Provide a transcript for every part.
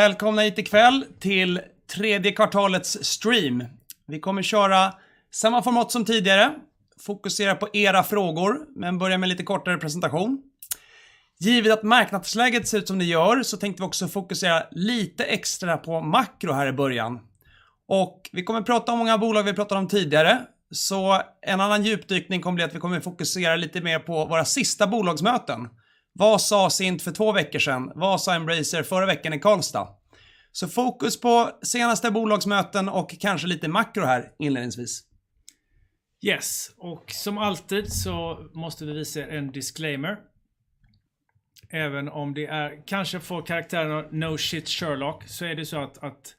Välkomna hit i kväll till tredje kvartalets stream. Vi kommer köra samma format som tidigare, fokusera på era frågor, men börja med lite kortare presentation. Givet att marknadsläget ser ut som det gör så tänkte vi också fokusera lite extra på makro här i början. Vi kommer prata om många bolag vi pratade om tidigare. En annan djupdykning kommer bli att vi kommer fokusera lite mer på våra sista bolagsmöten. Vad sa Cint för två veckor sedan? Vad sa Embracer förra veckan i Karlstad? Fokus på senaste bolagsmöten och kanske lite makro här inledningsvis. Och som alltid så måste vi visa er en disclaimer. Även om det är kanske det får karaktären av no shit Sherlock, så är det så att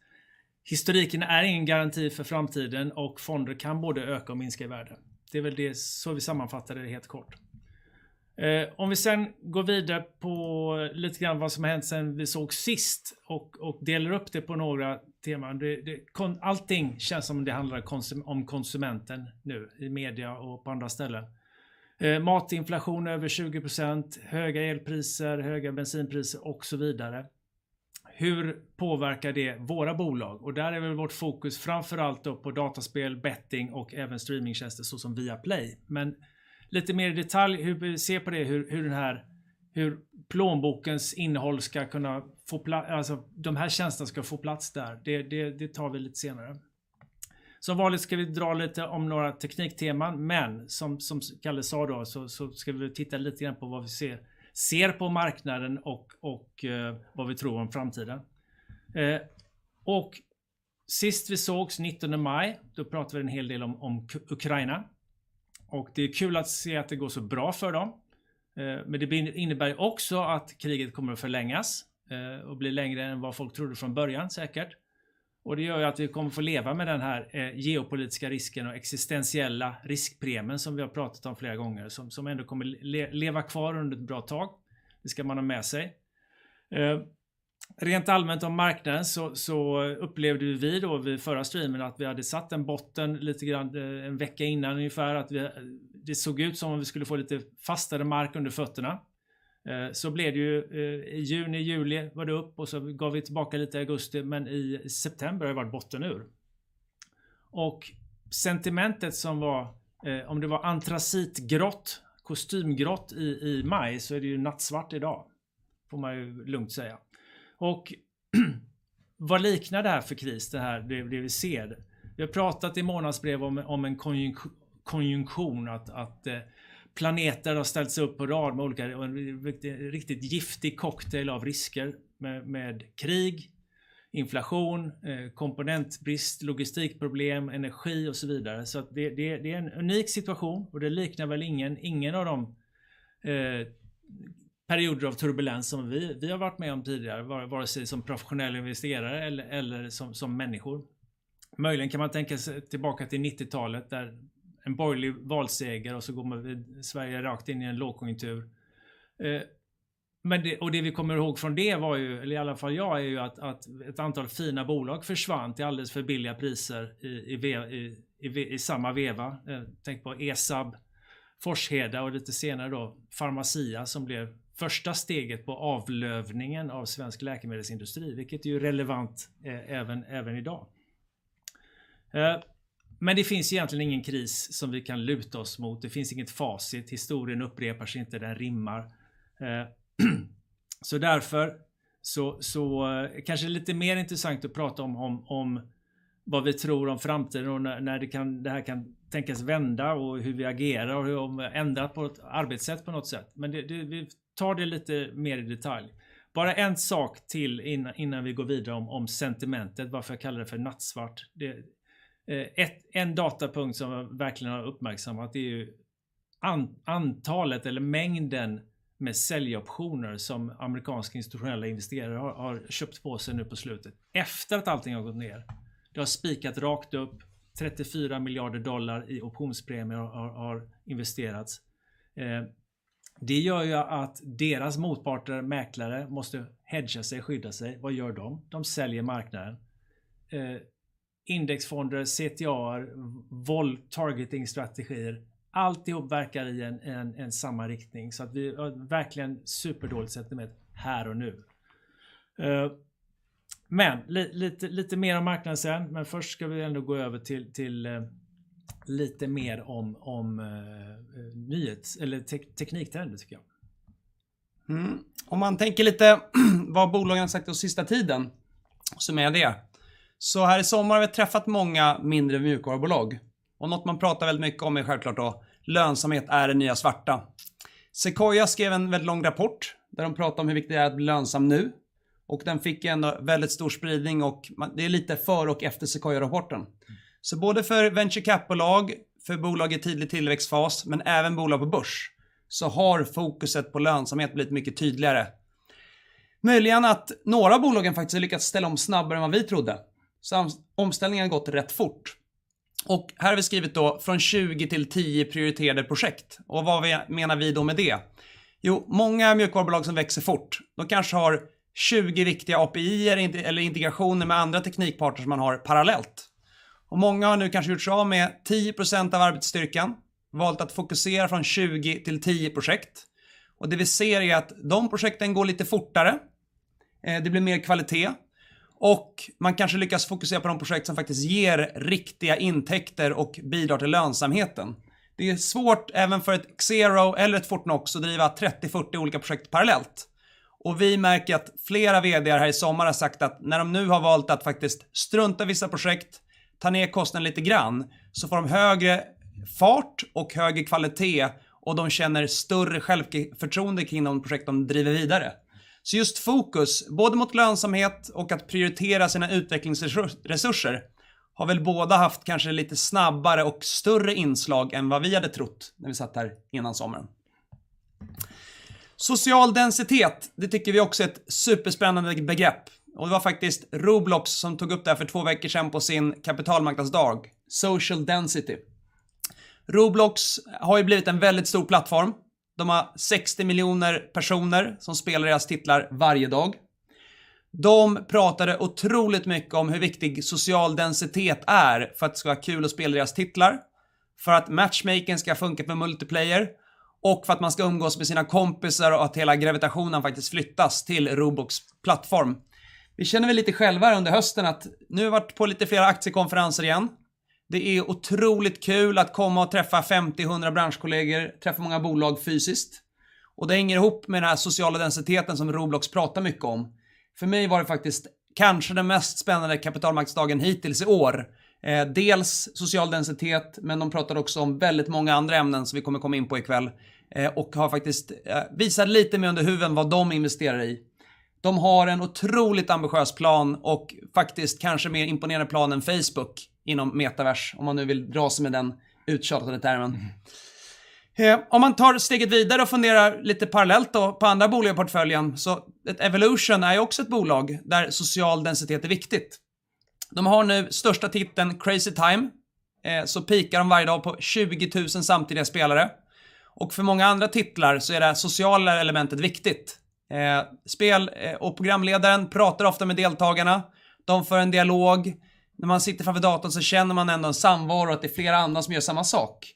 historiken är ingen garanti för framtiden och fonder kan både öka och minska i värde. Det är väl det, så vi sammanfattar det helt kort. Om vi sen går vidare på lite grann vad som har hänt sen vi sågs sist och delar upp det på några teman. Allting känns som om det handlar om konsumenten nu i media och på andra ställen. Matinflation över 20%, höga elpriser, höga bensinpriser och så vidare. Hur påverkar det våra bolag? Där är väl vårt fokus framför allt på dataspel, betting och även streamingtjänster så som Viaplay. Lite mer i detalj, hur vi ser på det, hur den här plånbokens innehåll ska kunna få plats där. Alltså de här tjänsterna ska få plats där. Det tar vi lite senare. Som vanligt ska vi dra lite om några teknikteman, men som Kalle sa då så ska vi titta lite grann på vad vi ser på marknaden och vad vi tror om framtiden. Sist vi sågs nittonde maj, då pratade vi en hel del om Ukraina och det är kul att se att det går så bra för dem. Men det innebär också att kriget kommer att förlängas och bli längre än vad folk trodde från början säkert. Det gör ju att vi kommer få leva med den här geopolitiska risken och existentiella riskpremien som vi har pratat om flera gånger. Som ändå kommer leva kvar under ett bra tag. Det ska man ha med sig. Rent allmänt om marknaden så upplevde vi då vid förra streamen att vi hade satt en botten lite grann en vecka innan ungefär. Att vi det såg ut som om vi skulle få lite fastare mark under fötterna. Så blev det ju i juni, juli var det upp och så gav vi tillbaka lite i augusti, men i september har det varit botten ur. Sentimentet som var om det var antracitgrått, kostymgrått i maj så är det ju nattsvart i dag får man ju lugnt säga. Vad liknar det här för kris, det vi ser? Vi har pratat i månadsbrev om en konjunktion. Att planeter har ställts upp på rad med olika och en riktigt giftig cocktail av risker med krig, inflation, komponentbrist, logistikproblem, energi och så vidare. Det är en unik situation och det liknar väl ingen av de perioder av turbulens som vi har varit med om tidigare, vare sig som professionell investerare eller som människor. Möjligen kan man tänka sig tillbaka till nittiotalet där en borgerlig valseger och så går man Sverige rakt in i en lågkonjunktur. Det vi kommer ihåg från det var ju, eller i alla fall jag, är ju att ett antal fina bolag försvann till alldeles för billiga priser i samma veva. Tänk på ESAB, Forsheda och lite senare då Pharmacia som blev första steget på avlövningen av svensk läkemedelsindustri, vilket är ju relevant även i dag. Men det finns egentligen ingen kris som vi kan luta oss mot. Det finns inget facit. Historien upprepar sig inte, den rimmar. Så därför kanske lite mer intressant att prata om om vad vi tror om framtiden och när det här kan tänkas vända och hur vi agerar och om vi har ändrat på arbetssätt på något sätt. Men det vi tar det lite mer i detalj. Bara en sak till innan vi går vidare om sentimentet, varför jag kallar det för nattsvart. En datapunkt som verkligen har uppmärksammat det är ju antalet eller mängden med säljoptioner som amerikanska institutionella investerare har köpt på sig nu på slutet. Efter att allting har gått ner. Det har spikat rakt upp $34 billion i optionspremier har investerats. Det gör ju att deras motparter, mäklare måste hedga sig, skydda sig. Vad gör dem? De säljer marknaden. Indexfonder, CTA:er, vol targeting-strategier. Alltihop verkar i en samma riktning. Vi, verkligen superdåligt sentiment här och nu. Lite mer om marknaden sen. Först ska vi ändå gå över till lite mer om nyheter eller tekniktrenden tycker jag. Om man tänker lite vad bolagen har sagt den senaste tiden så är det det. Här i sommar har vi träffat många mindre mjukvarubolag och något man pratar väldigt mycket om är självklart då lönsamhet är det nya svarta. Sequoia skrev en väldigt lång rapport där de pratar om hur viktigt det är att bli lönsam nu och den fick ändå väldigt stor spridning och det är lite före och efter Sequoia-rapporten. Både för venture capital-bolag, för bolag i tidig tillväxtfas, men även bolag på börs, har fokuset på lönsamhet blivit mycket tydligare. Möjligen att några av bolagen faktiskt har lyckats ställa om snabbare än vad vi trodde. Omställningen har gått rätt fort och här har vi skrivit då från 20 till 10 prioriterade projekt. Vad menar vi då med det? Jo, många mjukvarubolag som växer fort, de kanske har 20 viktiga API:er eller integrationer med andra teknikpartners man har parallellt. Många har nu kanske gjort sig av med 10% av arbetsstyrkan, valt att fokusera från 20 till 10 projekt. Det vi ser är att de projekten går lite fortare, det blir mer kvalitet och man kanske lyckas fokusera på de projekt som faktiskt ger riktiga intäkter och bidrar till lönsamheten. Det är svårt även för ett Xero eller ett Fortnox att driva 30, 40 olika projekt parallellt. Vi märker att flera vd:ar här i sommar har sagt att när de nu har valt att faktiskt strunta i vissa projekt, ta ner kostnaden lite grann, så får de högre fart och högre kvalitet och de känner större självförtroende kring de projekt de driver vidare. Just fokus, både mot lönsamhet och att prioritera sina utvecklingsresurser har väl båda haft kanske lite snabbare och större inslag än vad vi hade trott när vi satt här innan sommaren. Social densitet, det tycker vi också är ett superspännande begrepp. Det var faktiskt Roblox som tog upp det här för 2 veckor sedan på sin kapitalmarknadsdag. Social density. Roblox har ju blivit en väldigt stor plattform. De har 60 miljoner personer som spelar deras titlar varje dag. De pratade otroligt mycket om hur viktig social density är för att det ska vara kul att spela deras titlar. För att matchmakern ska funka för multiplayer och för att man ska umgås med sina kompisar och att hela gravitationen faktiskt flyttas till Roblox plattform. Vi känner väl lite själva under hösten att nu har vi varit på lite flera aktiekonferenser igen. Det är otroligt kul att komma och träffa 50, 100 branschkollegor, träffa många bolag fysiskt. Det hänger ihop med den här sociala densiteten som Roblox pratar mycket om. För mig var det faktiskt kanske den mest spännande kapitalmarknadsdagen hittills i år. Dels social densitet, men de pratar också om väldigt många andra ämnen som vi kommer komma in på ikväll och har faktiskt visat lite mer under huven vad de investerar i. De har en otroligt ambitiös plan och faktiskt kanske mer imponerande plan än Facebook inom metavers, om man nu vill dra sig med den uttjatade termen. Om man tar steget vidare och funderar lite parallellt då på andra bolag i portföljen. Ett Evolution är ju också ett bolag där social densitet är viktigt. De har nu största titeln Crazy Time. Peakar de varje dag på 20,000 samtidiga spelare. Och för många andra titlar så är det sociala elementet viktigt. Spel och programledaren pratar ofta med deltagarna. De för en dialog. När man sitter framför datorn så känner man ändå en samvaro att det är flera andra som gör samma sak.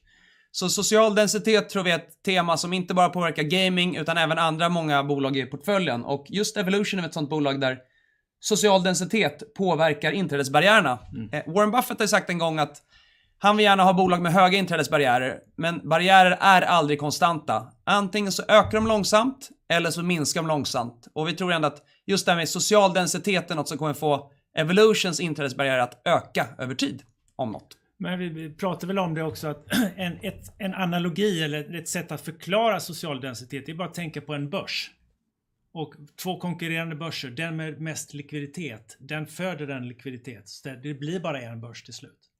Social densitet tror vi är ett tema som inte bara påverkar gaming, utan även andra många bolag i portföljen. Och just Evolution är väl ett sådant bolag där social densitet påverkar inträdesbarriärerna. Warren Buffett har ju sagt en gång att han vill gärna ha bolag med höga inträdesbarriärer, men barriärer är aldrig konstanta. Antingen så ökar de långsamt eller så minskar de långsamt. Vi tror ändå att just det här med social densiteten är något som kommer få Evolutions inträdesbarriär att öka över tid om något. Vi pratar väl om det också att en analogi eller ett sätt att förklara social densitet, det är bara att tänka på en börs och två konkurrerande börser. Den med mest likviditet, den föder den likviditet. Det blir bara en börs till slut.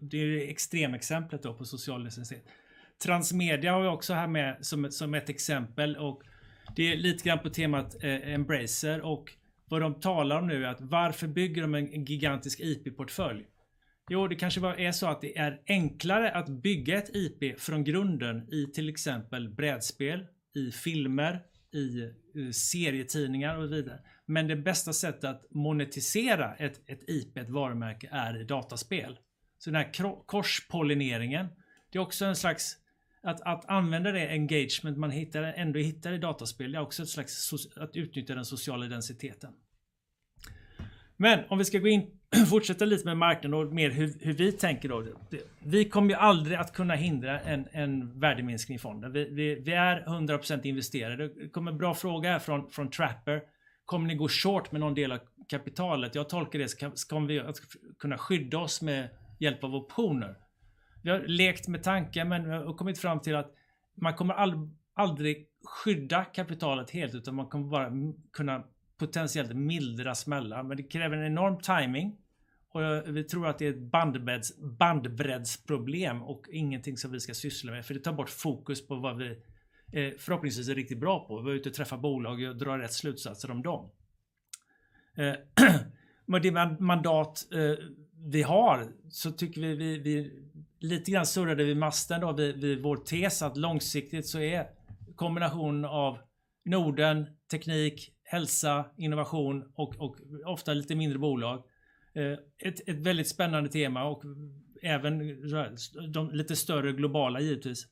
Det är extremexemplet på social densitet. Transmedia har vi också här med som ett exempel och det är lite grann på temat Embracer och vad de talar om nu är att varför bygger de en gigantisk IP-portfölj. Jo, det kanske är så att det är enklare att bygga ett IP från grunden i till exempel brädspel, i filmer, i serietidningar och så vidare. Det bästa sättet att monetisera ett IP, ett varumärke, är dataspel. Den här korspollineringen, det är också en slags att använda det engagement man hittar ändå i dataspel. Det är också ett slags att utnyttja den sociala densiteten. Om vi ska gå in, fortsätta lite med marknaden och mer hur vi tänker då. Vi kommer ju aldrig att kunna hindra en värdeminskning i fonden. Vi är 100% investerade. Det kom en bra fråga här från Trapper: Kommer ni gå short med någon del av kapitalet? Jag tolkar det, ska vi kunna skydda oss med hjälp av optioner? Vi har lekt med tanken men och kommit fram till att man kommer aldrig skydda kapitalet helt, utan man kommer bara kunna potentiellt mildra smällar. Det kräver en enorm timing och vi tror att det är ett bandbredsproblem och ingenting som vi ska syssla med. För det tar bort fokus på vad vi förhoppningsvis är riktigt bra på. Vi är ute och träffar bolag och drar rätt slutsatser om dem. Det mandat vi har så tycker vi vi lite grann surrade vi masten då vid vår tes att långsiktigt så är kombination av Norden, teknik, hälsa, innovation och ofta lite mindre bolag ett väldigt spännande tema och även de lite större globala givetvis.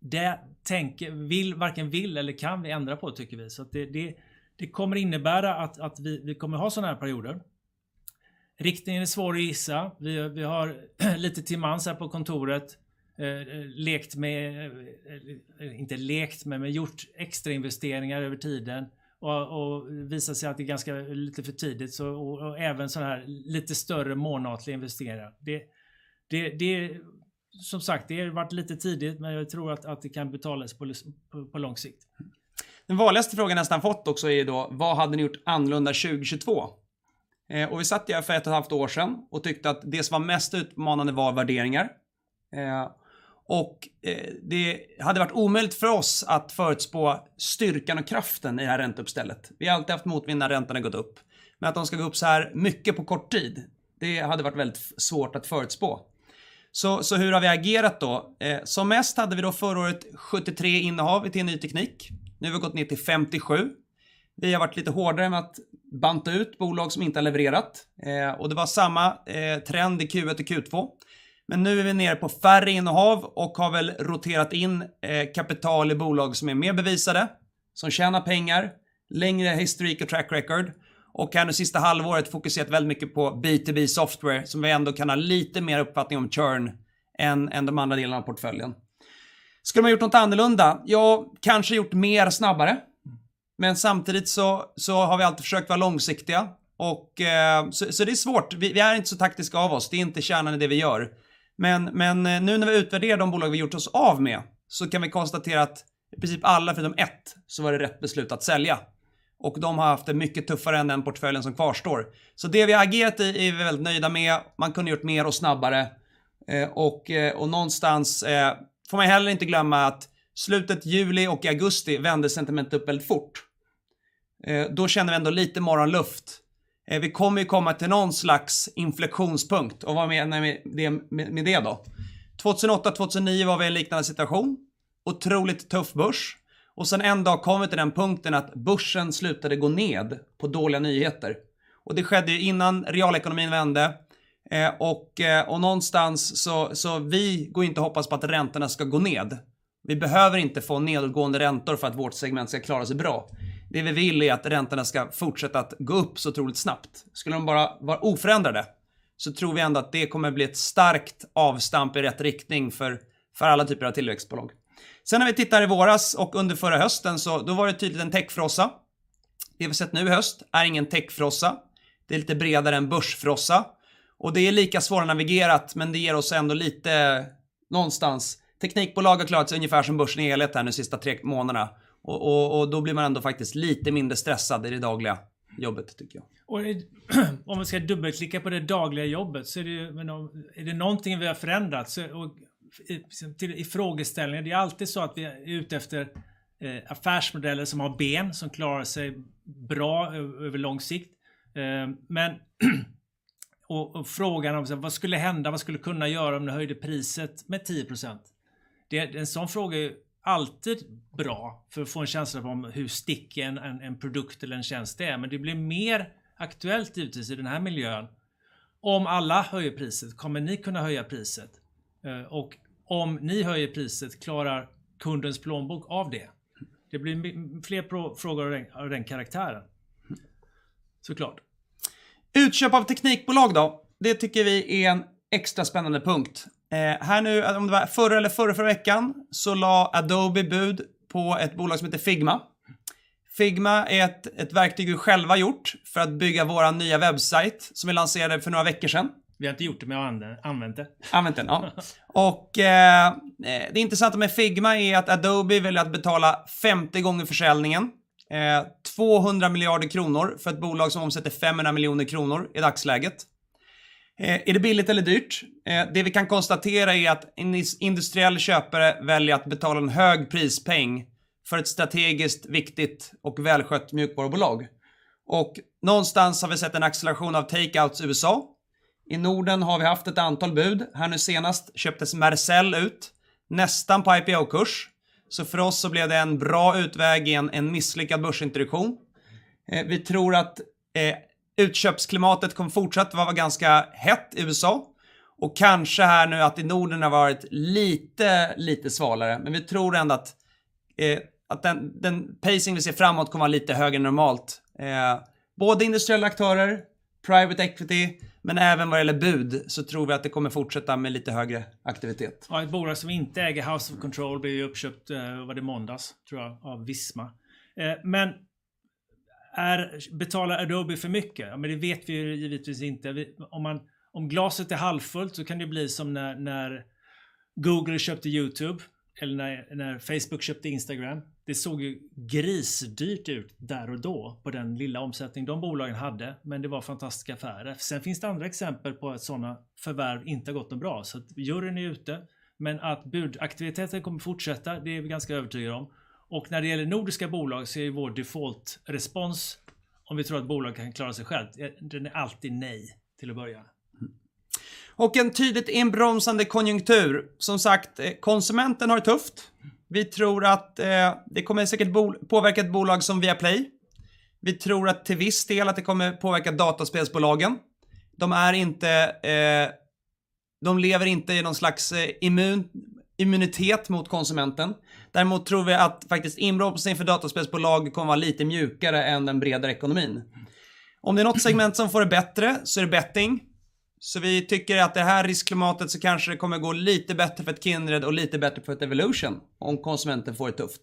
Det tänker vi vi varken vill eller kan ändra på tycker vi. Det kommer innebära att vi vi kommer ha sådana här perioder. Riktningen är svår att gissa. Vi har lite till mans här på kontoret lekt med, inte lekt med, men gjort extrainvesteringar över tiden och det visar sig att det är ganska lite för tidigt. Och även sån här lite större månatlig investering. Som sagt det har varit lite tidigt, men jag tror att det kan betalas på lång sikt. Den vanligaste frågan jag nästan fått också är då: Vad hade ni gjort annorlunda 2022? Vi satt här för 1.5 år sedan och tyckte att det som var mest utmanande var värderingar. Det hade varit omöjligt för oss att förutspå styrkan och kraften i det här ränteuppstället. Vi har alltid haft motvind när räntorna har gått upp, men att de skulle gå upp såhär mycket på kort tid, det hade varit väldigt svårt att förutspå. Så hur har vi agerat då? Som mest hade vi då förra året 73 innehav i TIN Ny Teknik. Nu har vi gått ner till 57. Vi har varit lite hårdare med att banta ut bolag som inte har levererat. Det var samma trend i Q1 och Q2. Nu är vi nere på färre innehav och har väl roterat in kapital i bolag som är mer bevisade, som tjänar pengar, längre historik och track record och har nu sista halvåret fokuserat väldigt mycket på B2B-software som vi ändå kan ha lite mer uppfattning om churn än de andra delarna av portföljen. Skulle man gjort något annorlunda? Ja, kanske gjort mer snabbare, men samtidigt så har vi alltid försökt vara långsiktiga och så det är svårt. Vi är inte så taktiska av oss. Det är inte kärnan i det vi gör. Nu när vi utvärderar de bolag vi gjort oss av med så kan vi konstatera att i princip alla förutom ett så var det rätt beslut att sälja och de har haft det mycket tuffare än den portföljen som kvarstår. Det vi har agerat i är vi väldigt nöjda med. Man kunde gjort mer och snabbare, och någonstans får man heller inte glömma att slutet juli och i augusti vände sentimentet upp väldigt fort. Då känner vi ändå lite morgonluft. Vi kommer ju komma till någon slags inflektionspunkt. Vad menar vi med det då? 2008, 2009 var vi i en liknande situation. Otroligt tuff börs och sen en dag kom vi till den punkten att börsen slutade gå ned på dåliga nyheter. Det skedde ju innan realekonomin vände. Någonstans så vi går inte och hoppas på att räntorna ska gå ned. Vi behöver inte få nedåtgående räntor för att vårt segment ska klara sig bra. Det vi vill är att räntorna ska fortsätta att gå upp så otroligt snabbt. Skulle de bara vara oförändrade så tror vi ändå att det kommer bli ett starkt avstamp i rätt riktning för alla typer av tillväxtbolag. När vi tittar i våras och under förra hösten så, då var det tydligt en techfrossa. Det vi sett nu i höst är ingen techfrossa. Det är lite bredare än börsfrossa och det är lika svårnavigerat, men det ger oss ändå lite någonstans. Teknikbolag har klarat sig ungefär som börsen i helhet här nu sista tre månaderna och då blir man ändå faktiskt lite mindre stressad i det dagliga jobbet tycker jag. Om vi ska dubbelklicka på det dagliga jobbet så är det ju något vi har förändrat? I frågeställningen det är alltid så att vi är ute efter affärsmodeller som har ben, som klarar sig bra över lång sikt. Frågan är vad skulle hända? Vad skulle kunna hända om du höjde priset med 10%? En sådan fråga är alltid bra för att få en känsla om hur sticky en produkt eller en tjänst är. Men det blir mer aktuellt givetvis i den här miljön. Om alla höjer priset, kommer ni kunna höja priset? Om ni höjer priset, klarar kundens plånbok av det? Det blir fler frågor av den karaktären. Så klart. Utköp av teknikbolag då. Det tycker vi är en extra spännande punkt. Här nu, om det var förra eller förrförra veckan så lade Adobe bud på ett bolag som heter Figma. Figma är ett verktyg vi själva gjort för att bygga vår nya webbsajt som vi lanserade för några veckor sen. Vi har inte gjort det, men vi har använt det. Använt den, ja. Det intressanta med Figma är att Adobe väljer att betala 50 gånger försäljningen. SEK 200 billion för ett bolag som omsätter SEK 500 million i dagsläget. Är det billigt eller dyrt? Det vi kan konstatera är att en industriell köpare väljer att betala en hög prispeng för ett strategiskt viktigt och välskött mjukvarubolag. Någonstans har vi sett en acceleration av take outs USA. I Norden har vi haft ett antal bud. Här nu senast köptes Mercell ut nästan på IPO-kurs. För oss så blev det en bra utväg i en misslyckad börsintroduktion. Vi tror att utköpsklimatet kommer fortsätta vara ganska hett i USA och kanske här nu att i Norden har varit lite svalare. Vi tror ändå att den pacing vi ser framåt kommer vara lite högre än normalt. Både industriella aktörer, private equity, men även vad det gäller bud så tror vi att det kommer fortsätta med lite högre aktivitet. Ett bolag som inte äger House of Control blev ju uppköpt, var det måndags tror jag, av Visma. Men betalar Adobe för mycket? Det vet vi ju givetvis inte. Om glaset är halvfullt så kan det ju bli som när Google köpte YouTube eller när Facebook köpte Instagram. Det såg ju grisdyrt ut där och då på den lilla omsättning de bolagen hade, men det var fantastiska affärer. Det finns andra exempel på att sådana förvärv inte har gått något bra. Juryn är ute, men att budaktiviteten kommer fortsätta, det är vi ganska övertygade om. När det gäller nordiska bolag så är ju vår default response om vi tror att bolag kan klara sig själv. Den är alltid nej till att börja. En tydligt inbromsande konjunktur. Som sagt, konsumenten har det tufft. Vi tror att det kommer säkert påverka ett bolag som Viaplay. Vi tror att till viss del att det kommer påverka dataspelsbolagen. De är inte, de lever inte i någon slags immunitet mot konsumenten. Däremot tror vi att faktiskt inbromsningen för dataspelsbolag kommer vara lite mjukare än den bredare ekonomin. Om det är något segment som får det bättre så är det betting. Så vi tycker att det här riskklimatet så kanske det kommer gå lite bättre för ett Kindred och lite bättre för ett Evolution om konsumenten får det tufft.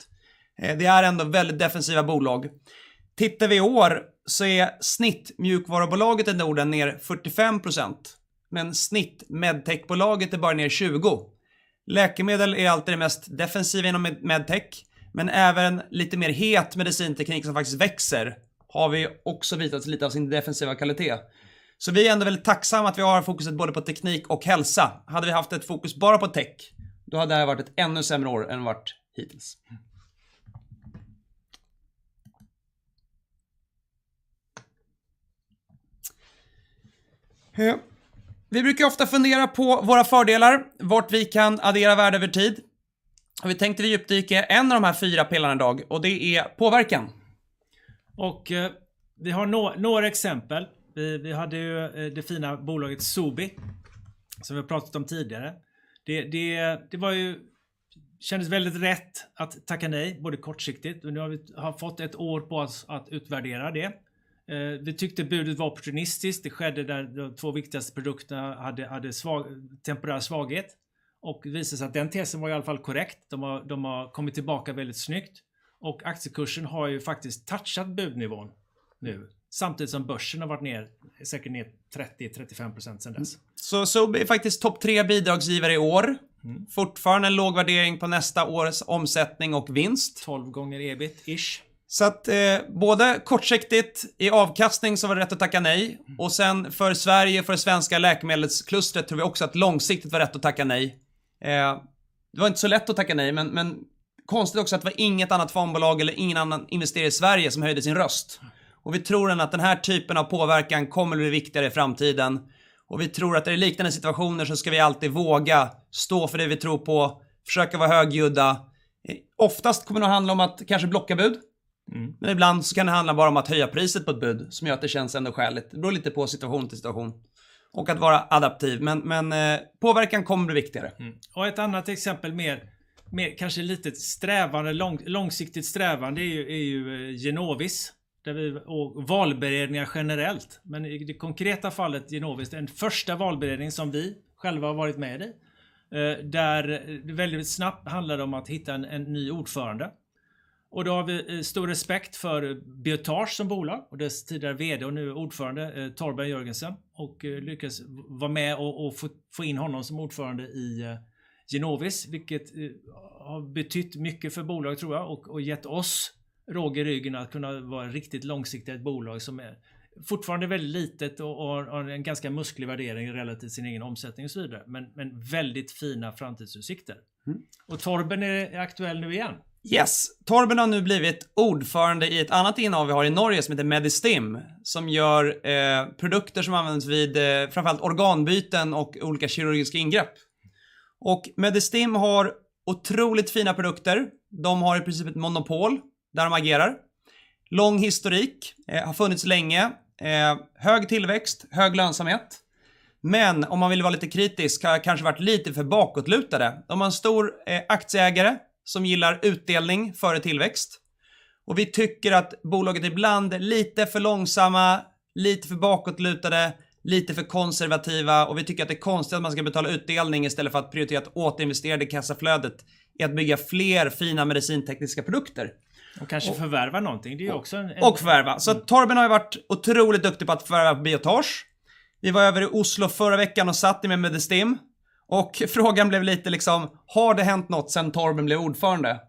Det är ändå väldigt defensiva bolag. Tittar vi i år så är snitt mjukvarubolaget i Norden ner 45%, men snitt medtechbolaget är bara ner 20%. Läkemedel är alltid det mest defensiva inom medtech, men även lite mer het medicinteknik som faktiskt växer har vi också visat lite av sin defensiva kvalitet. Vi är ändå väldigt tacksamma att vi har fokuset både på teknik och hälsa. Hade vi haft ett fokus bara på tech, då hade det här varit ett ännu sämre år än vad det har varit hittills. Vi brukar ofta fundera på våra fördelar, vart vi kan addera värde över tid. Vi tänkte vi djupdyker en av de här fyra pelarna i dag och det är påverkan. Vi har några exempel. Vi hade ju det fina bolaget Sobi som vi har pratat om tidigare. Det kändes väldigt rätt att tacka nej, både kortsiktigt och nu har vi fått ett år på oss att utvärdera det. Vi tyckte budet var opportunistiskt. Det skedde där de två viktigaste produkterna hade temporär svaghet och det visade sig att den tesen var i alla fall korrekt. De har kommit tillbaka väldigt snyggt och aktiekursen har ju faktiskt touchat budnivån nu samtidigt som börsen har varit ner, säkert ner 30%-35% sedan dess. Sobi är faktiskt topp tre bidragsgivare i år. Fortfarande en låg värdering på nästa års omsättning och vinst. 12 times EBIT-ish. Att både kortsiktigt i avkastning så var det rätt att tacka nej. Sen för Sverige, för det svenska läkemedelsklustret tror vi också att långsiktigt var rätt att tacka nej. Det var inte så lätt att tacka nej. Konstigt också att det var inget annat farmacibolag eller ingen annan investerare i Sverige som höjde sin röst. Vi tror ännu att den här typen av påverkan kommer att bli viktigare i framtiden. Vi tror att i liknande situationer så ska vi alltid våga stå för det vi tror på, försöka vara högljudda. Oftast kommer det att handla om att kanske blocka bud. Ibland så kan det handla bara om att höja priset på ett bud som gör att det känns ändå skäligt. Det beror lite på situation till situation. Att vara adaptiv. Påverkan kommer bli viktigare. Ett annat exempel mer kanske litet strävande, långsiktigt strävande är ju Genovis där vi, och valberedningar generellt. Men i det konkreta fallet Genovis, den första valberedningen som vi själva har varit med i, där det väldigt snabbt handlade om att hitta en ny ordförande. Då har vi stor respekt för Biotage som bolag och dess tidigare vd och nu ordförande, Torben Jørgensen, och lyckades vara med och få in honom som ordförande i Genovis, vilket har betytt mycket för bolaget tror jag och gett oss råg i ryggen att kunna vara ett riktigt långsiktigt bolag som är fortfarande väldigt litet och har en ganska muskulös värdering relativt sin egen omsättning och så vidare. Men väldigt fina framtidsutsikter. Torben är aktuell nu igen. Yes, Torben har nu blivit ordförande i ett annat innehav vi har i Norge som heter Medistim, som gör produkter som används vid framför allt organbyten och olika kirurgiska ingrepp. Medistim har otroligt fina produkter. De har i princip ett monopol där de agerar. Lång historik, har funnits länge, hög tillväxt, hög lönsamhet. Om man vill vara lite kritisk har kanske varit lite för bakåtlutade. De har en stor aktieägare som gillar utdelning före tillväxt. Vi tycker att bolaget ibland är lite för långsamma, lite för bakåtlutade, lite för konservativa och vi tycker att det är konstigt att man ska betala utdelning istället för att prioritera att återinvestera det kassaflödet i att bygga fler fina medicintekniska produkter. Kanske förvärva någonting, det är ju också. Förvärva. Torben har ju varit otroligt duktig på att förvärva Biotage. Vi var över i Oslo förra veckan och satt med Medistim och frågan blev lite liksom, har det hänt något sedan Torben blev ordförande?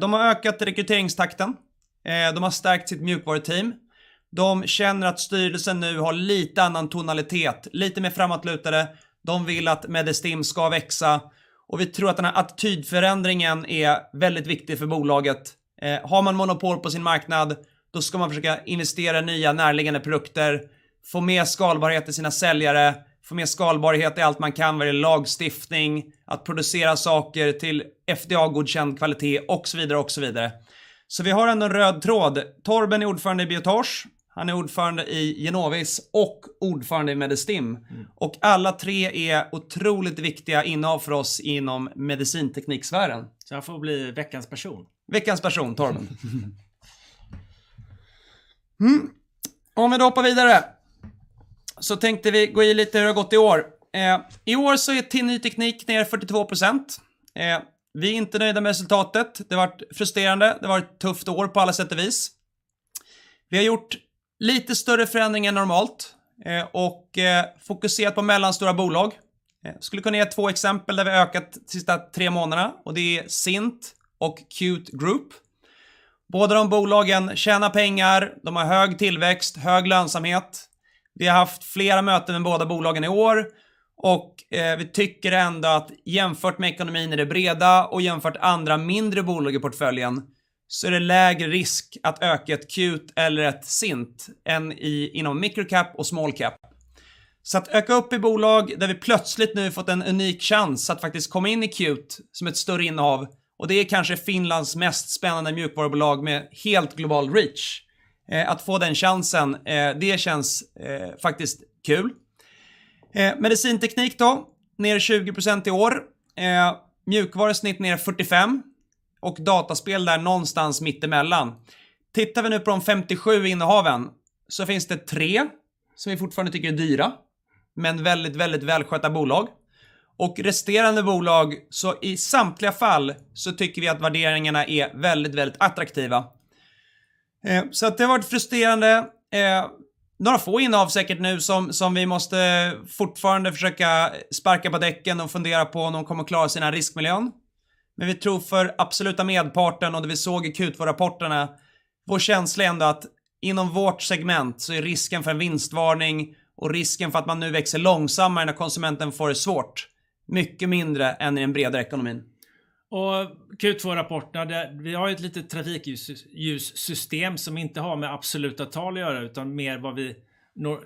De har ökat rekryteringstakten. De har stärkt sitt mjukvaruteam. De känner att styrelsen nu har lite annan tonalitet, lite mer framåtlutade. De vill att Medistim ska växa och vi tror att den här attitydförändringen är väldigt viktig för bolaget. Har man monopol på sin marknad, då ska man försöka investera i nya närliggande produkter, få mer skalbarhet i sina säljare, få mer skalbarhet i allt man kan vad det gäller lagstiftning, att producera saker till FDA-godkänd kvalitet och så vidare och så vidare. Vi har ändå en röd tråd. Torben är ordförande i Biotage, han är ordförande i Genovis och ordförande i Medistim. Alla tre är otroligt viktiga innehav för oss inom medicintekniksfären. han får bli veckans person. Veckans person, Torben. Om vi då hoppar vidare så tänkte vi gå igenom lite hur det har gått i år. I år så är TIN Ny Teknik ner 42%. Vi är inte nöjda med resultatet. Det har varit frustrerande. Det har varit tufft år på alla sätt och vis. Vi har gjort lite större förändring än normalt och fokuserat på mellanstora bolag. Skulle kunna ge 2 exempel där vi ökat sista 3 månaderna och det är Cint och Qt Group. Båda de bolagen tjänar pengar, de har hög tillväxt, hög lönsamhet. Vi har haft flera möten med båda bolagen i år och vi tycker ändå att jämfört med ekonomin i det breda och jämfört andra mindre bolag i portföljen, så är det lägre risk att öka ett Qt eller ett Cint än i, inom micro cap och small cap. Att öka upp i bolag där vi plötsligt nu fått en unik chans att faktiskt komma in i Qt som ett större innehav och det är kanske Finlands mest spännande mjukvarubolag med helt global reach. Att få den chansen, det känns faktiskt kul. Medicinteknik då, ner 20% i år. Mjukvara snitt ner 45% och dataspel där någonstans mittemellan. Tittar vi nu på de 57 innehaven så finns det 3 som vi fortfarande tycker är dyra, men väldigt välskötta bolag. Resterande bolag, så i samtliga fall så tycker vi att värderingarna är väldigt attraktiva. Det har varit frustrerande. Några få innehav säkert nu som vi måste fortfarande försöka sparka på däcken och fundera på om de kommer att klara sina riskmiljön. Vi tror för absoluta majoriteten och det vi såg i Q2-rapporterna, vår känsla är ändå att inom vårt segment så är risken för en vinstvarning och risken för att man nu växer långsammare när konsumenten får det svårt mycket mindre än i den breda ekonomin. Q2-rapporterna, vi har ju ett litet trafikljus, ljussystem som inte har med absoluta tal att göra, utan mer vad vi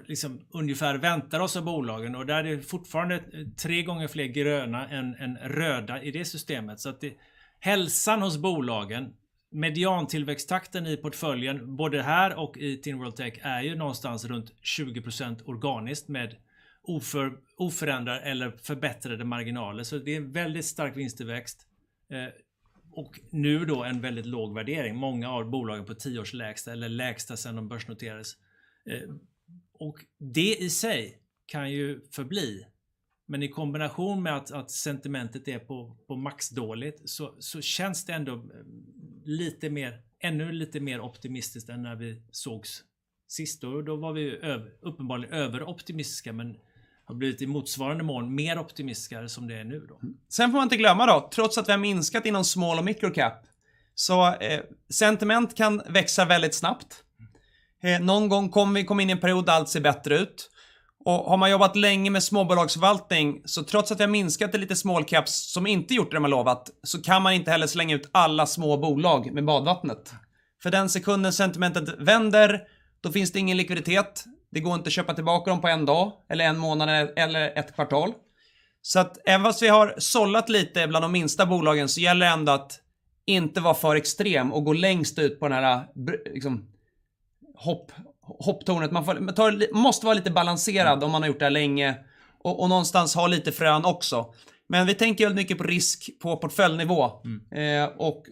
liksom ungefär väntar oss av bolagen. Där är det fortfarande 3 gånger fler gröna än röda i det systemet. Hälsan hos bolagen, median-tillväxttakten i portföljen, både här och i TIN World Tech är ju någonstans runt 20% organiskt med oförändrade eller förbättrade marginaler. Det är en väldigt stark vinsttillväxt, och nu då en väldigt låg värdering. Många har bolagen på 10-års lägsta eller lägsta sedan de börsnoterades. Det i sig kan ju förbli. I kombination med att sentimentet är på max dåligt så känns det ändå lite mer, ännu lite mer optimistiskt än när vi sågs sist. Vi var ju uppenbarligen överoptimistiska, men har blivit i motsvarande mån mer optimistiska som det är nu då. Får man inte glömma då, trots att vi har minskat inom small och micro cap, så sentiment kan växa väldigt snabbt. Någon gång kommer vi komma in i en period där allt ser bättre ut. Har man jobbat länge med småbolagsförvaltning, så trots att vi har minskat lite small caps som inte gjort det de har lovat, så kan man inte heller slänga ut alla små bolag med badvattnet. För den sekunden sentimentet vänder, då finns det ingen likviditet. Det går inte att köpa tillbaka dem på en dag eller en månad eller ett kvartal. Även fast vi har sållat lite bland de minsta bolagen så gäller det ändå att inte vara för extrem och gå längst ut på den här liksom hopptornet. Man får, man tar, man måste vara lite balanserad om man har gjort det här länge och någonstans ha lite frön också. Men vi tänker väldigt mycket på risk på portföljnivå.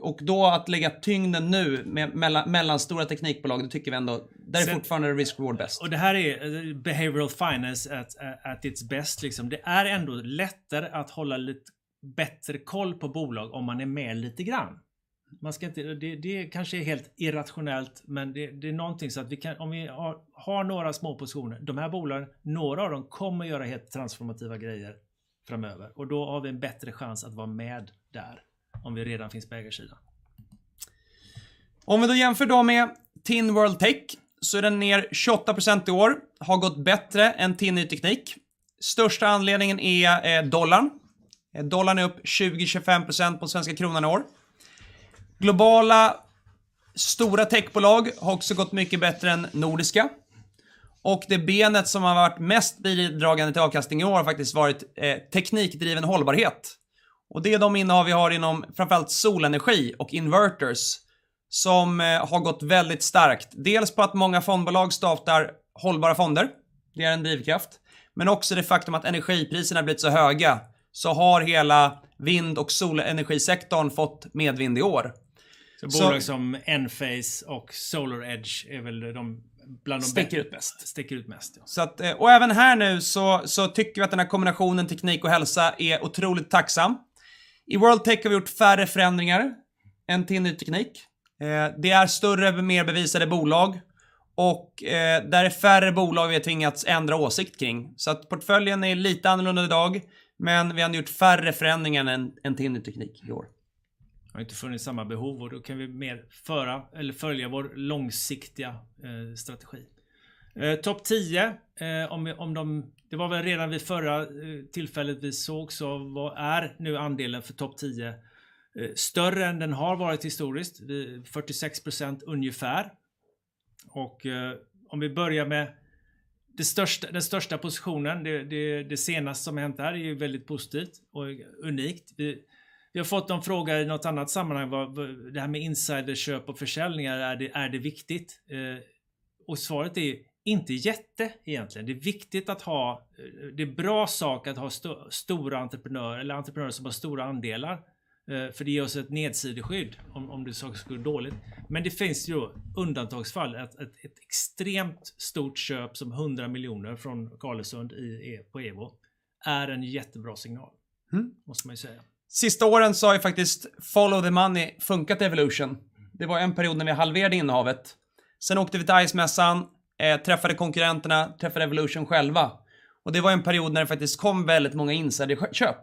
Och då att lägga tyngden nu med mellanstora teknikbolag, det tycker vi ändå, där är fortfarande risk/reward bäst. Det här är behavioral finance at its best, liksom. Det är ändå lättare att hålla lite bättre koll på bolag om man är med lite grann. Man ska inte, kanske är helt irrationellt, men det är någonting. Vi kan, om vi har några små positioner, de här bolagen, några av dem kommer att göra helt transformativa grejer framöver och då har vi en bättre chans att vara med där om vi redan finns på ägarsidan. Om vi då jämför dem med TIN World Tech så är den ner 28% i år. Har gått bättre än TIN Ny Teknik. Största anledningen är dollar. Dollar är upp 20-25% på svenska kronan i år. Globala stora techbolag har också gått mycket bättre än nordiska. Det benet som har varit mest bidragande till avkastning i år har faktiskt varit teknikdriven hållbarhet. Det är de innehav vi har inom framför allt solenergi och inverters som har gått väldigt starkt. Dels på att många fondbolag startar hållbara fonder, det är en drivkraft, men också det faktum att energipriserna blivit så höga så har hela vind- och solenergi-sektorn fått medvind i år. Bolag som Enphase och SolarEdge är väl bland dem. Sticker ut mest. Stickar ut mest, ja. Tycker vi att den här kombinationen teknik och hälsa är otroligt tacksam. I World Tech har vi gjort färre förändringar än TIN Ny Teknik. Det är större, mer bevisade bolag och, där är färre bolag vi har tvingats ändra åsikt kring. Portföljen är lite annorlunda i dag, men vi har ändå gjort färre förändringar än TIN Ny Teknik i år. Har inte funnits samma behov och då kan vi mer föra eller följa vår långsiktiga strategi. Topp 10, det var väl redan vid förra tillfället vi sågs, vad är nu andelen för topp 10? Större än den har varit historiskt, 46% ungefär. Om vi börjar med det största, den största positionen, det senaste som hänt där är ju väldigt positivt och unikt. Vi har fått en fråga i något annat sammanhang, vad det här med insiderköp och försäljningar är det viktigt? Svaret är inte jättigt egentligen. Det är viktigt att ha, det är en bra sak att ha stora entreprenörer eller entreprenörer som har stora andelar, för det ger oss ett nedsideskydd om det skulle gå dåligt. Det finns ju undantagsfall. En extremt stort köp som SEK 100 million från Carlesund i Evo är en jättebra signal. Mm. Måste man ju säga. Sista åren så har ju faktiskt follow the money funkat Evolution. Det var en period när vi halverade innehavet. Åkte vi till ICE-mässan, träffade konkurrenterna, träffade Evolution själva. Det var en period när det faktiskt kom väldigt många insiderköp.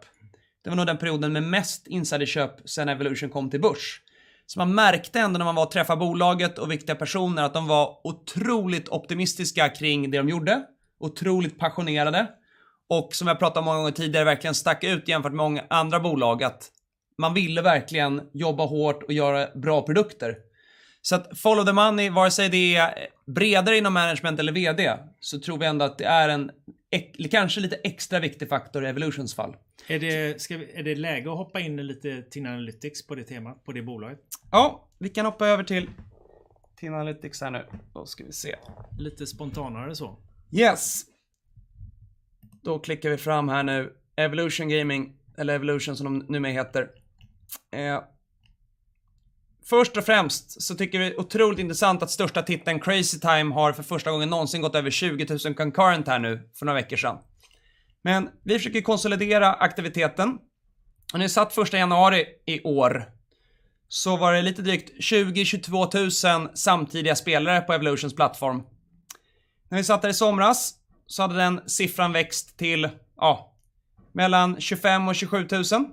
Det var nog den perioden med mest insiderköp sedan Evolution kom till börs. Man märkte ändå när man var och träffa bolaget och viktiga personer att de var otroligt optimistiska kring det de gjorde, otroligt passionerade och som jag pratat om många gånger tidigare, verkligen stack ut jämfört med många andra bolag. Att man ville verkligen jobba hårt och göra bra produkter. Att follow the money, vare sig det är bredare inom management eller vd, så tror vi ändå att det är en kanske lite extra viktig faktor i Evolutions fall. Är det läge att hoppa in lite TIN Analytics på det temat, på det bolaget? Ja, vi kan hoppa över till TIN Analytics här nu. Då ska vi se. Lite spontanare så. Yes. Då klickar vi fram här nu. Evolution Gaming eller Evolution som de nu mer heter. Först och främst så tycker vi otroligt intressant att största titeln Crazy Time har för första gången någonsin gått över 20,000 concurrent här nu för några veckor sedan. Vi försöker konsolidera aktiviteten och när vi satt första januari i år så var det lite drygt 20,000-22,000 samtidiga spelare på Evolutions plattform. När vi satt här i somras så hade den siffran växt till mellan 25,000 och 30,000.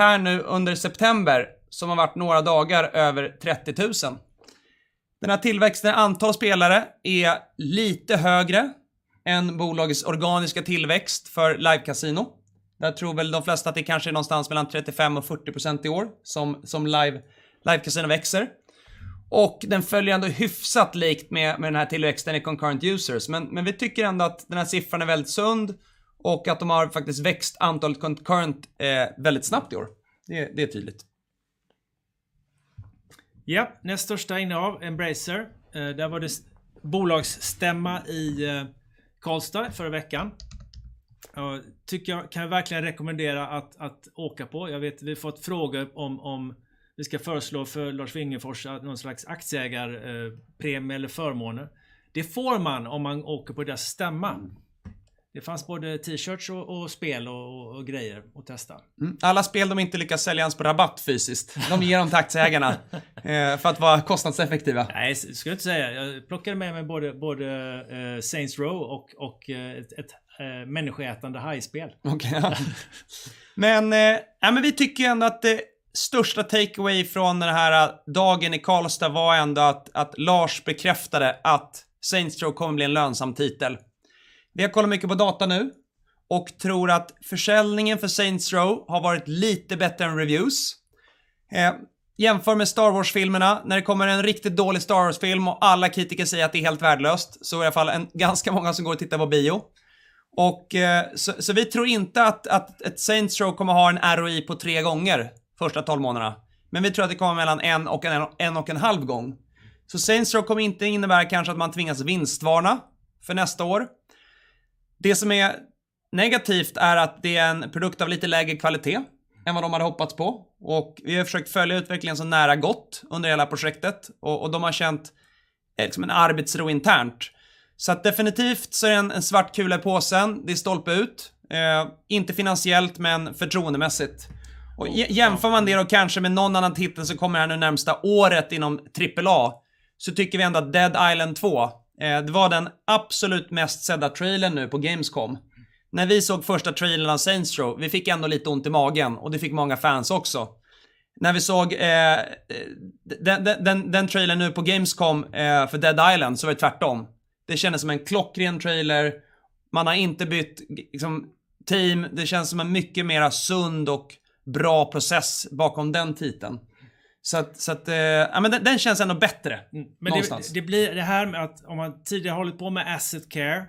Här nu under september så har varit några dagar över 30,000. Den här tillväxten i antal spelare är lite högre än bolagets organiska tillväxt för livekasino. Jag tror väl de flesta att det kanske är någonstans mellan 35% och 40% i år som livekasinon växer. Den följer ändå hyfsat likt med den här tillväxten i concurrent users. vi tycker ändå att den här siffran är väldigt sund och att de har faktiskt växt antalet concurrent väldigt snabbt i år. Det är tydligt. Japp, näst största innehav, Embracer. Där var det bolagsstämma i Karlstad förra veckan. Tycker jag kan jag verkligen rekommendera att åka på. Jag vet, vi har fått frågor om vi ska föreslå för Lars Wingefors att någon slags aktieägarpremie eller förmåner. Det får man om man åker på deras stämma. Det fanns både T-shirts och spel och grejer att testa. Alla spel de inte lyckas sälja ens på rabatt fysiskt, de ger de aktieägarna för att vara kostnadseffektiva. Nej, det skulle jag inte säga. Jag plockade med mig både Saints Row och ett människoätande hajspel. Okej. Men, nej men vi tycker ändå att det största takeaway från den här dagen i Karlstad var ändå att Lars bekräftade att Saints Row kommer bli en lönsam titel. Vi har kollat mycket på data nu. Tror att försäljningen för Saints Row har varit lite bättre än reviews. Jämför med Star Wars-filmerna. När det kommer en riktigt dålig Star Wars-film och alla kritiker säger att det är helt värdelöst, så är det i alla fall ganska många som går och tittar på bio. Vi tror inte att ett Saints Row kommer att ha en ROI på 3 gånger första 12 månaderna. Vi tror att det kommer mellan 1 och 1.5 gång. Saints Row kommer inte innebära kanske att man tvingas vinstvarningen för nästa år. Det som är negativt är att det är en produkt av lite lägre kvalitet än vad de hade hoppats på. Vi har försökt följa utvecklingen så nära gott under hela projektet och de har känt en arbetsro internt. Definitivt är en svart kula i påsen. Det är stolpe ut. Inte finansiellt, men förtroendemässigt. Jämför man det då kanske med någon annan titel som kommer här det närmsta året inom AAA, så tycker vi ändå att Dead Island 2 det var den absolut mest sedda trailern nu på gamescom. När vi såg första trailern av Saints Row, vi fick ändå lite ont i magen och det fick många fans också. När vi såg den trailern nu på gamescom för Dead Island så var det tvärtom. Det kändes som en klockren trailer. Liksom team. Det känns som en mycket mera sund och bra process bakom den titeln. Så att, ja men den känns ändå bättre någonstans. Det blir det här med att om man tidigare har hållit på med asset care,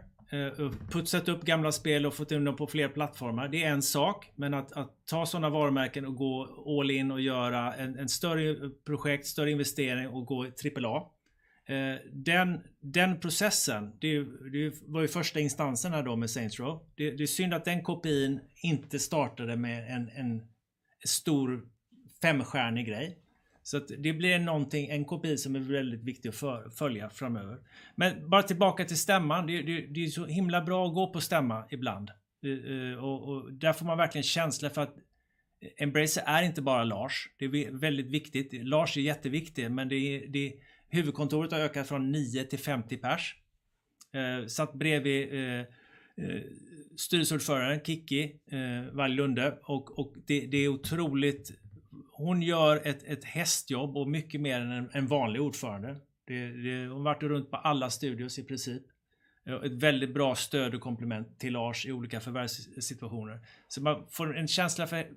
och putsat upp gamla spel och fått in dem på fler plattformar, det är en sak. Att ta sådana varumärken och gå all in och göra ett större projekt, större investering och gå trippel A. Den processen, det var ju första instanserna då med Saints Row. Det är synd att den kopian inte startade med en stor femstjärnig grej. Så att det blir någonting, en kopia som är väldigt viktig att följa framöver. Bara tillbaka till stämman. Det är ju så himla bra att gå på stämma ibland. Och där får man verkligen känsla för att Embracer är inte bara Lars Wingefors. Det är väldigt viktigt. Lars Wingefors är jätteviktig, men det huvudkontoret har ökat från 9 till 50 pers. Satt bredvid styrelseordföranden Kicki Wallje-Lund och det är otroligt. Hon gör ett hästjobb och mycket mer än en vanlig ordförande. Hon har varit runt på alla studios i princip. Ett väldigt bra stöd och komplement till Lars i olika förvärvssituationer. Så man får en känsla för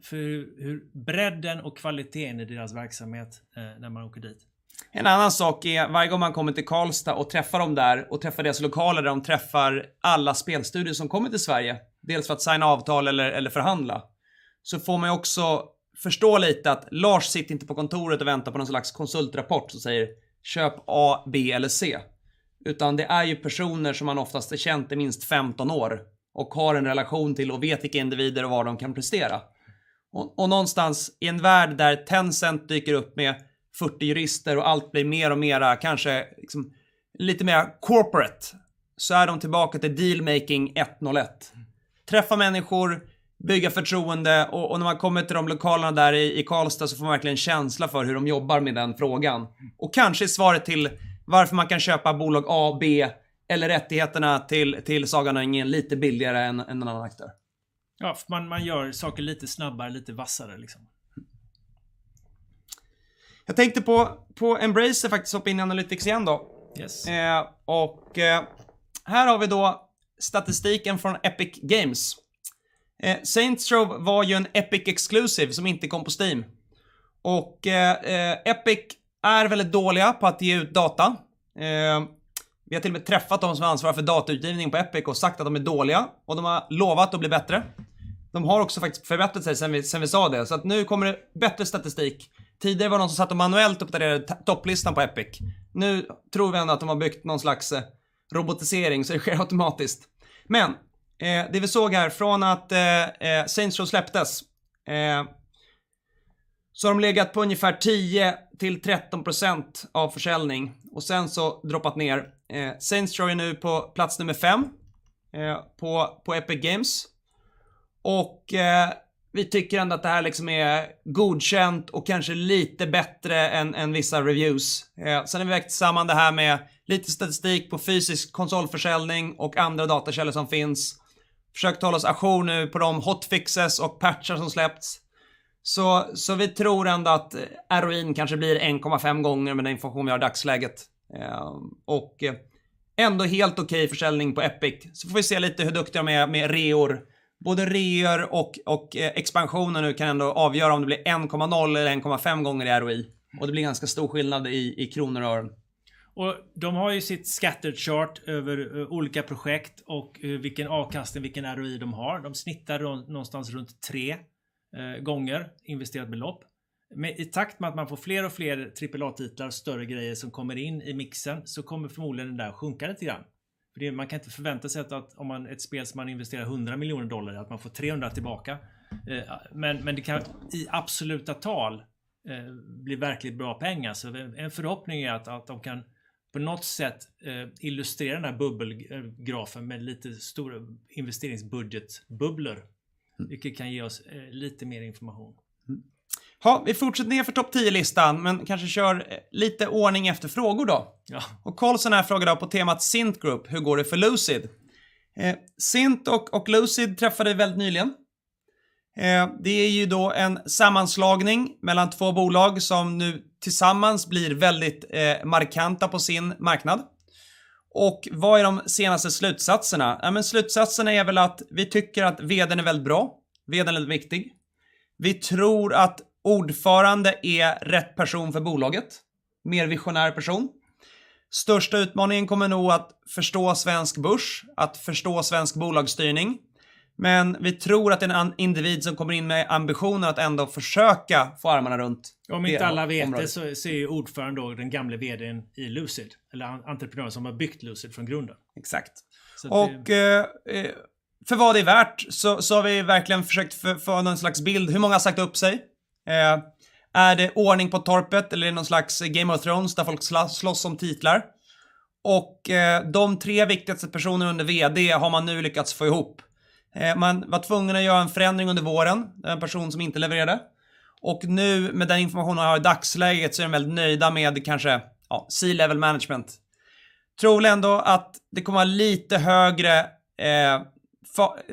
hur bredden och kvaliteten i deras verksamhet när man åker dit. En annan sak är varje gång man kommer till Karlstad och träffar dem där och träffar deras lokaler där de träffar alla spelstudior som kommer till Sverige, dels för att signa avtal eller förhandla, så får man ju också förstå lite att Lars Wingefors sitter inte på kontoret och väntar på någon slags konsultrapport som säger: "Köp A, B eller C." Utan det är ju personer som man oftast har känt i minst 15 år och har en relation till och vet vilka individer och vad de kan prestera. Och någonstans i en värld där Tencent dyker upp med 40 jurister och allt blir mer och mera kanske liksom lite mer corporate, så är de tillbaka till deal making 101. Träffa människor, bygga förtroende och när man kommer till de lokalerna där i Karlstad så får man verkligen känsla för hur de jobbar med den frågan. Kanske är svaret till varför man kan köpa bolag A och B eller rättigheterna till Sagan om ringen lite billigare än en annan aktör. Ja, man gör saker lite snabbare, lite vassare liksom. Jag tänkte på Embracer faktiskt och TIN Analytics igen då. Yes. Här har vi då statistiken från Epic Games. Saints Row var ju en Epic exclusive som inte kom på Steam. Epic är väldigt dåliga på att ge ut data. Vi har till och med träffat de som är ansvariga för datautgivningen på Epic och sagt att de är dåliga och de har lovat att bli bättre. De har också faktiskt förbättrat sig sedan vi sa det. Nu kommer det bättre statistik. Tidigare var det någon som satt och manuellt uppdaterade topplistan på Epic. Nu tror vi ändå att de har byggt någon slags robotisering så det sker automatiskt. Det vi såg här från att Saints Row släpptes så har de legat på ungefär 10%-13% av försäljning och sen så droppat ner. Saints Row är nu på plats nummer 5 på Epic Games. Vi tycker ändå att det här liksom är godkänt och kanske lite bättre än vissa reviews. Har vi vägt samman det här med lite statistik på fysisk konsolförsäljning och andra datakällor som finns. Försökt hålla oss à jour nu på de hotfixes och patchar som släppts. Vi tror ändå att ROI kanske blir 1.5 gånger med den information vi har i dagsläget. Ändå helt okej försäljning på Epic. Får vi se lite hur duktiga de är med reor. Både reor och expansionen nu kan ändå avgöra om det blir 1.0 eller 1.5 gånger i ROI och det blir ganska stor skillnad i kronor och ören. De har ju sitt scatter chart över olika projekt och vilken avkastning, vilken ROI de har. De snittar någonstans runt 3 gånger investerat belopp. I takt med att man får fler och fler AAA-titlar och större grejer som kommer in i mixen så kommer förmodligen den där sjunka lite grann. Man kan inte förvänta sig att om man ett spel som man investerar $100 million, att man får 300 tillbaka. Det kan i absoluta tal bli verkligt bra pengar. En förhoppning är att de kan på något sätt illustrera den här bubbelgrafen med lite stor investeringsbudgetbubblor, vilket kan ge oss lite mer information. Jaha, vi fortsätter ner för topp tio-listan, men kanske kör lite ordning efter frågor då. Ja. Colson här frågar då på temat Cint Group: Hur går det för Lucid? Cint och Lucid träffade vi väldigt nyligen. Det är ju då en sammanslagning mellan två bolag som nu tillsammans blir väldigt markanta på sin marknad. Vad är de senaste slutsatserna? Ja men slutsatserna är väl att vi tycker att vd:n är väldigt bra. Vd:n är väldigt viktig. Vi tror att ordförande är rätt person för bolaget, mer visionär person. Största utmaningen kommer nog att förstå svensk börs, att förstå svensk bolagsstyrning. Men vi tror att det är en en individ som kommer in med ambitionen att ändå försöka få armarna runt det området. Om inte alla vet det så är ju ordföranden då den gamle VD:n i Lucid, eller entreprenören som har byggt Lucid från grunden. Exakt. För vad det är värt så har vi verkligen försökt få någon slags bild. Hur många har sagt upp sig? Är det ordning på torpet? Eller är det någon slags Game of Thrones där folk slåss om titlar? De tre viktigaste personerna under vd har man nu lyckats få ihop. Man var tvungen att göra en förändring under våren. Det var en person som inte levererade. Nu med den informationen jag har i dagsläget så är de väldigt nöjda med kanske C-level management. Troligen då att det kommer vara lite högre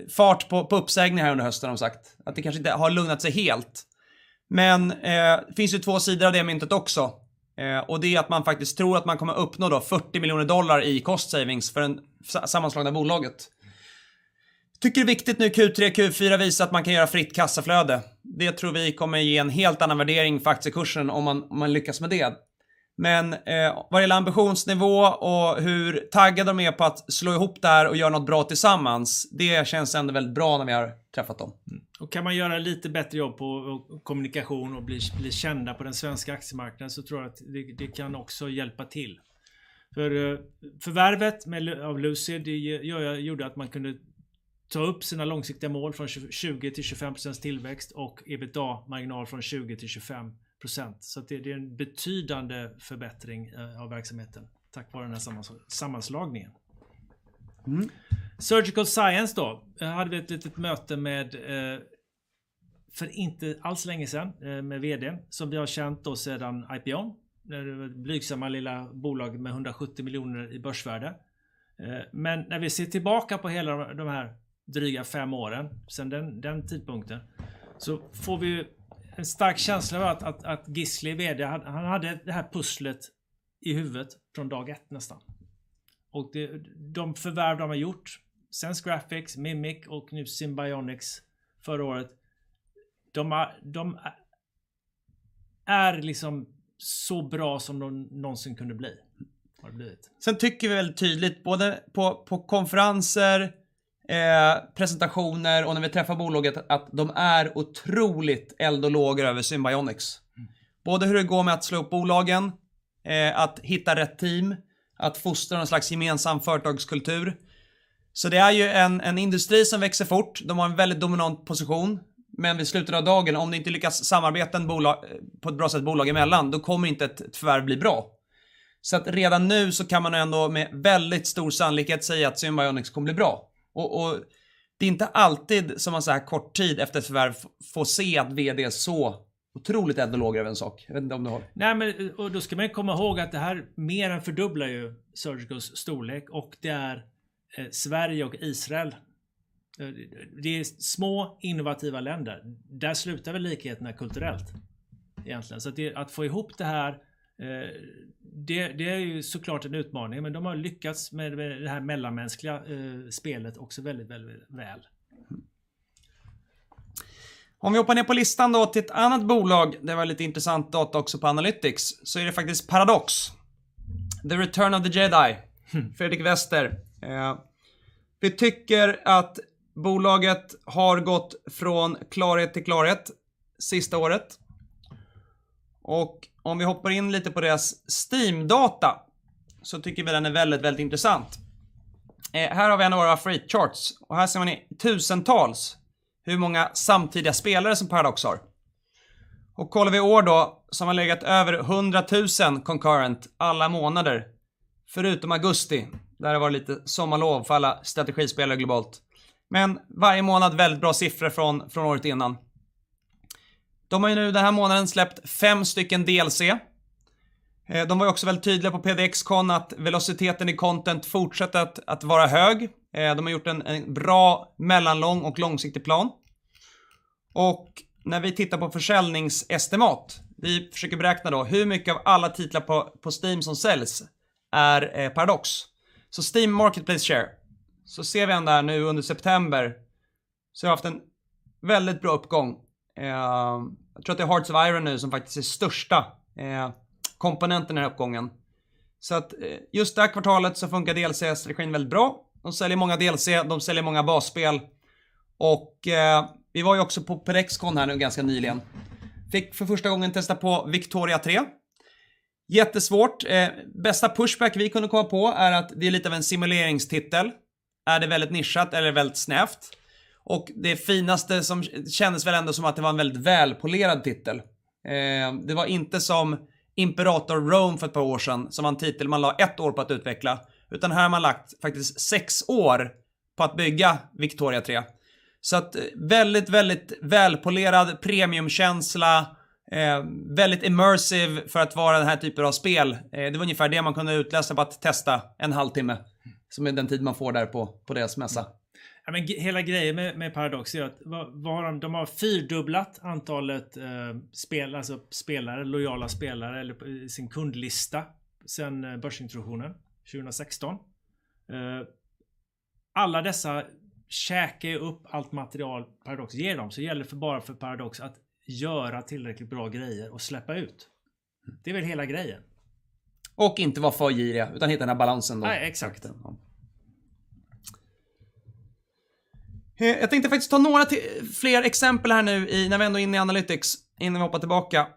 fart på uppsägningar under hösten har de sagt. Det kanske inte har lugnat sig helt. Det finns ju två sidor av det myntet också. Det är att man faktiskt tror att man kommer uppnå 40 miljoner dollar i cost savings för den sammanslagna bolaget. Tycker det är viktigt nu Q3, Q4 visar att man kan göra fritt kassaflöde. Det tror vi kommer ge en helt annan värdering för aktiekursen om man lyckas med det. Vad gäller ambitionsnivå och hur taggade de är på att slå ihop det här och göra något bra tillsammans, det känns ändå väldigt bra när vi har träffat dem. Kan man göra lite bättre jobb på kommunikation och bli kända på den svenska aktiemarknaden så tror jag att det kan också hjälpa till. Förvärvet av Lucid gjorde att man kunde ta upp sina långsiktiga mål från 20% till 25% tillväxt och EBITDA-marginal från 20% till 25%. Att det är en betydande förbättring av verksamheten tack vare den här sammanslagningen. Surgical Science då. Här hade vi ett litet möte med för inte alls länge sen med VD som vi har känt sedan IPO. Det blygsamma lilla bolag med SEK 170 million i börsvärde. Men när vi ser tillbaka på hela de här dryga fem åren sedan den tidpunkten så får vi ju en stark känsla av att Gisli, VD, han hade det här pusslet i huvudet från dag ett nästan. De förvärv de har gjort, SenseGraphics, Mimic och nu Simbionix förra året. De är liksom så bra som de någonsin kunde bli. Har blivit. Tycker vi väldigt tydligt, både på konferenser, presentationer och när vi träffar bolaget att de är otroligt eld och lågor över Simbionix. Både hur det går med att slå ihop bolagen, att hitta rätt team, att fostra någon slags gemensam företagskultur. Det är ju en industri som växer fort. De har en väldigt dominant position, men vid slutet av dagen, om ni inte lyckas samarbeta på ett bra sätt bolag emellan, då kommer inte ett förvärv bli bra. Redan nu så kan man ändå med väldigt stor sannolikhet säga att Simbionix kommer bli bra. Det är inte alltid som man såhär kort tid efter ett förvärv får se att VD är så otroligt eld och lågor över en sak. Jag vet inte om du har? Nej, men och då ska man ju komma ihåg att det här mer än fördubblar ju Surgical Science's storlek och det är Sverige och Israel. Det är små innovativa länder. Där slutar väl likheterna kulturellt egentligen. Så att det, att få ihop det här, det är ju så klart en utmaning, men de har lyckats med det här mellanmänskliga spelet också väldigt väl. Om vi hoppar ner på listan då till ett annat bolag. Det var lite intressant data också på Analytics, så är det faktiskt Paradox. The Return of the Jedi, Fredrik Wester. Vi tycker att bolaget har gått från klarhet till klarhet sista året. Om vi hoppar in lite på deras Steam-data så tycker vi den är väldigt intressant. Här har vi några free charts och här ser man i tusentals hur många samtidiga spelare som Paradox har. Kollar vi i år då så har man legat över 100,000 concurrent alla månader. Förutom augusti, där det var lite sommarlov för alla strategispelare globalt. Men varje månad väldigt bra siffror från året innan. De har ju nu den här månaden släppt 5 DLC. De var också väldigt tydliga på PDXCON att velociteten i content fortsätter att vara hög. De har gjort en bra mellanlång och långsiktig plan. När vi tittar på försäljningsestimat, vi försöker beräkna hur mycket av alla titlar på Steam som säljs är Paradox. Steam Marketplace Share. Ser vi ändå här nu under september så har vi haft en väldigt bra uppgång. Jag tror att det är Hearts of Iron nu som faktiskt är största komponenten i den här uppgången. Just det här kvartalet så funkar DLC-strategin väldigt bra. De säljer många DLC, de säljer många basspel och vi var ju också på PDXCON här nu ganska nyligen. Fick för första gången testa på Victoria 3. Jättesvårt. Bästa pushback vi kunde komma på är att det är lite av en simuleringstitel. Är det väldigt nischat? Är det väldigt snävt? Kändes väl ändå som att det var en väldigt välpolerad titel. Det var inte som Imperator: Rome för ett par år sedan, som var en titel man la 1 år på att utveckla, utan här har man lagt faktiskt 6 år på att bygga Victoria 3. Så att väldigt välpolerad premiumkänsla, väldigt immersive för att vara den här typen av spel. Det var ungefär det man kunde utläsa på att testa en halvtimme, som är den tid man får där på deras mässa. Ja, men hela grejen med Paradox är att vad har de har fyrdubblat antalet spel, alltså spelare, lojala spelare eller på sin kundlista sen börsintroduktionen 2016. Alla dessa käkar ju upp allt material Paradox ger dem. Gäller det bara för Paradox att göra tillräckligt bra grejer och släppa ut. Det är väl hela grejen. Inte vara för giriga, utan hitta den här balansen då. Nej, exakt. Jag tänkte faktiskt ta några till, fler exempel här nu i när vi ändå är inne i analytics innan vi hoppar tillbaka.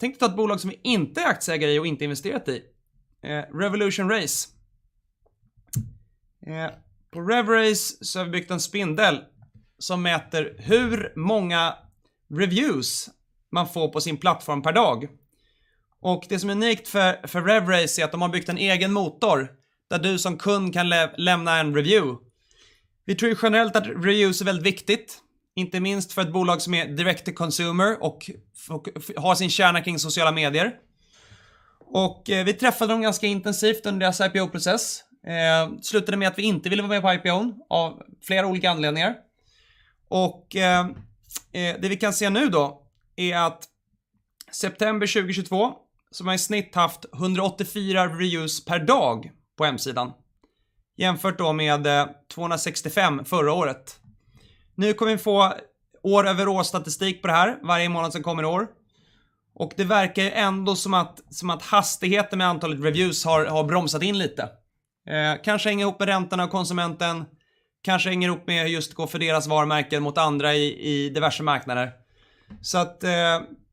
Tänkte ta ett bolag som vi inte är aktieägare i och inte investerat i. RevolutionRace. På Rev Race så har vi byggt en spindel som mäter hur många reviews man får på sin plattform per dag. Det som är unikt för Rev Race är att de har byggt en egen motor där du som kund kan lämna en review. Vi tror ju generellt att reviews är väldigt viktigt, inte minst för ett bolag som är direct to consumer och och har sin kärna kring sociala medier. Vi träffade dem ganska intensivt under deras IPO-process. Slutade med att vi inte ville vara med på IPO:n av flera olika anledningar. Det vi kan se nu då är att september 2022 så har man i snitt haft 184 reviews per dag på hemsidan. Jämfört då med 265 förra året. Nu kommer vi att få år-over-år-statistik på det här varje månad som kommer i år. Det verkar ändå som att hastigheten med antalet reviews har bromsat in lite. Kanske hänger ihop med räntorna och konsumenten, kanske hänger ihop med just konkurrens för deras varumärke mot andra i diverse marknader.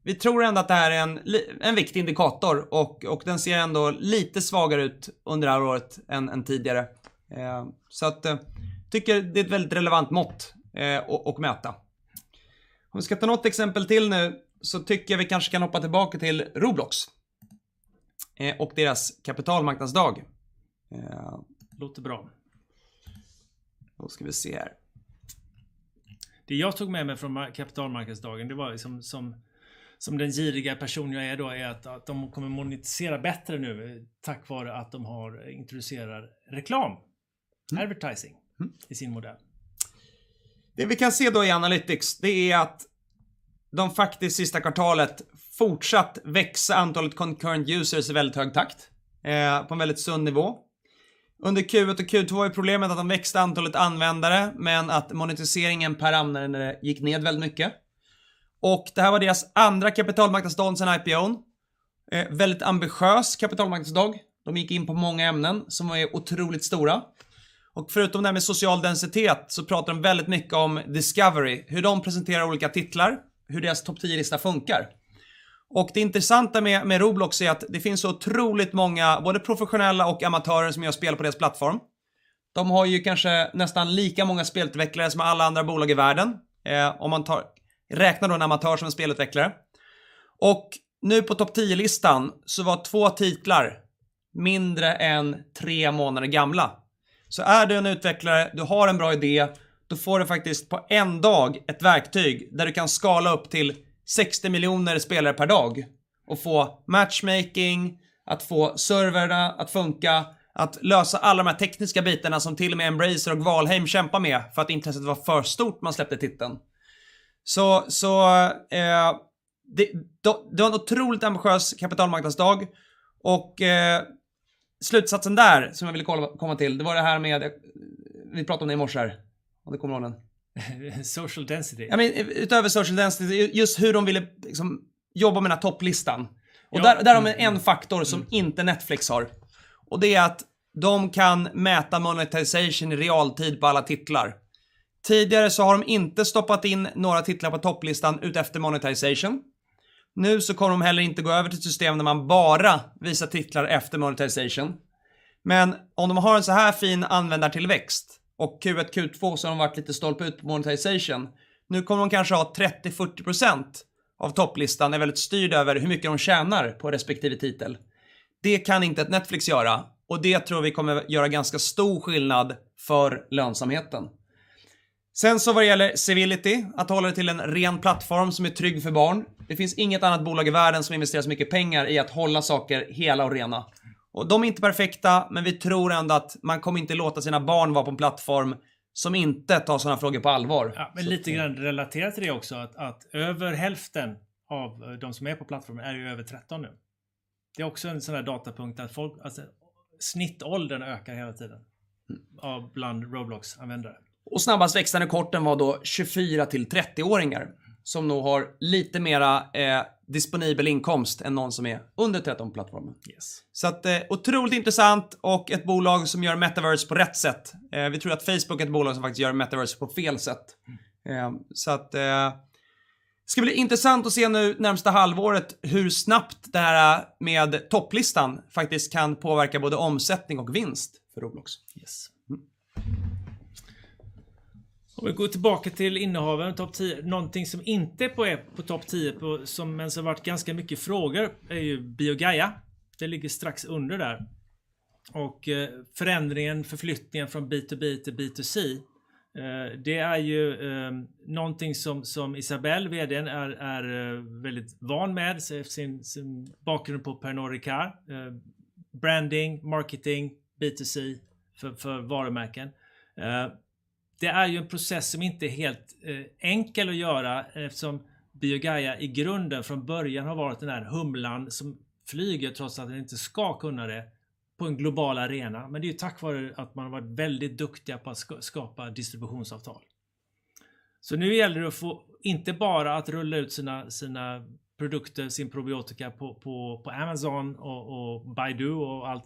Vi tror ändå att det här är en viktig indikator och den ser ändå lite svagare ut under det här året än tidigare. Tycker det är ett väldigt relevant mått och mäta. Om vi ska ta något exempel till nu så tycker jag vi kanske kan hoppa tillbaka till Roblox och deras kapitalmarknadsdag. Låter bra. Ska vi se här. Det jag tog med mig från kapitalmarknadsdagen, det var liksom som den giriga person jag är då, är att de kommer monetisera bättre nu tack vare att de har introducerat reklam, advertising, i sin modell. Det vi kan se då i analytics, det är att de faktiskt sista kvartalet fortsatt växa antalet concurrent users i väldigt hög takt, på en väldigt sund nivå. Under Q1 och Q2 var ju problemet att de växte antalet användare, men att monetiseringen per användare gick ned väldigt mycket. Det här var deras andra kapitalmarknadsdag sedan IPO:n. Väldigt ambitiös kapitalmarknadsdag. De gick in på många ämnen som är otroligt stora. Förutom det här med social densitet så pratar de väldigt mycket om discovery, hur de presenterar olika titlar, hur deras topp tio-lista funkar. Det intressanta med Roblox är att det finns otroligt många, både professionella och amatörer som gör spel på deras plattform. De har ju kanske nästan lika många spelutvecklare som alla andra bolag i världen. Om man tar, räknar då en amatör som en spelutvecklare. Nu på topp 10-listan så var 2 titlar mindre än 3 månader gamla. Är du en utvecklare, du har en bra idé, då får du faktiskt på en dag ett verktyg där du kan skala upp till 60 miljoner spelare per dag och få matchmaking, att få serverna att funka, att lösa alla de här tekniska bitarna som till och med Embracer och Valheim kämpar med för att intresset var för stort när man släppte titeln. Det var en otroligt ambitiös kapitalmarknadsdag och slutsatsen där som jag ville kolla, komma till, det var det här med, vi pratade om det i morse här, om du kommer ihåg den? social density. Utöver social density, just hur de ville liksom jobba med den här topplistan. Där har man en faktor som inte Netflix har. Det är att de kan mäta monetization i realtid på alla titlar. Tidigare så har de inte stoppat in några titlar på topplistan utefter monetization. Nu så kommer de heller inte gå över till system där man bara visar titlar efter monetization. Om de har en så här fin användartillväxt och Q1, Q2 så har de varit lite stolpe ut på monetization. Nu kommer de kanske ha 30, 40% av topplistan är väldigt styrd över hur mycket de tjänar på respektive titel. Det kan inte ett Netflix göra och det tror vi kommer göra ganska stor skillnad för lönsamheten. Vad det gäller civility, att hålla det till en ren plattform som är trygg för barn. Det finns inget annat bolag i världen som investerar så mycket pengar i att hålla saker hela och rena. De är inte perfekta, men vi tror ändå att man kommer inte låta sina barn vara på en plattform som inte tar sådana frågor på allvar. Ja, men lite grann relaterat till det också att över hälften av de som är på plattformen är ju över 13 nu. Det är också en sån här datapunkt att folk, alltså snittåldern ökar hela tiden bland Roblox-användare. Snabbast växande kohorten var då 24 till 30-åringar som nog har lite mera disponibel inkomst än någon som är under 13 på plattformen. Yes. Otroligt intressant och ett bolag som gör metavers på rätt sätt. Vi tror att Facebook är ett bolag som faktiskt gör metavers på fel sätt. Ska bli intressant att se nu närmsta halvåret hur snabbt det här med topplistan faktiskt kan påverka både omsättning och vinst för Roblox. Yes. Om vi går tillbaka till innehavaren topp tio. Något som inte är på topp tio men som sen varit ganska mycket frågor är ju BioGaia. Det ligger strax under där. Förändringen, förflyttningen från B2B till B2C. Det är ju någonting som Isabelle, VD:n, är väldigt van med sin bakgrund på Pernod Ricard. Branding, marketing, B2C för varumärken. Det är ju en process som inte är helt enkel att göra eftersom BioGaia i grunden från början har varit den här humlan som flyger trots att den inte ska kunna det på en global arena. Men det är tack vare att man har varit väldigt duktiga på att skapa distributionsavtal. Nu gäller det att få inte bara att rulla ut sina produkter, sin probiotika på Amazon och Baidu och allt,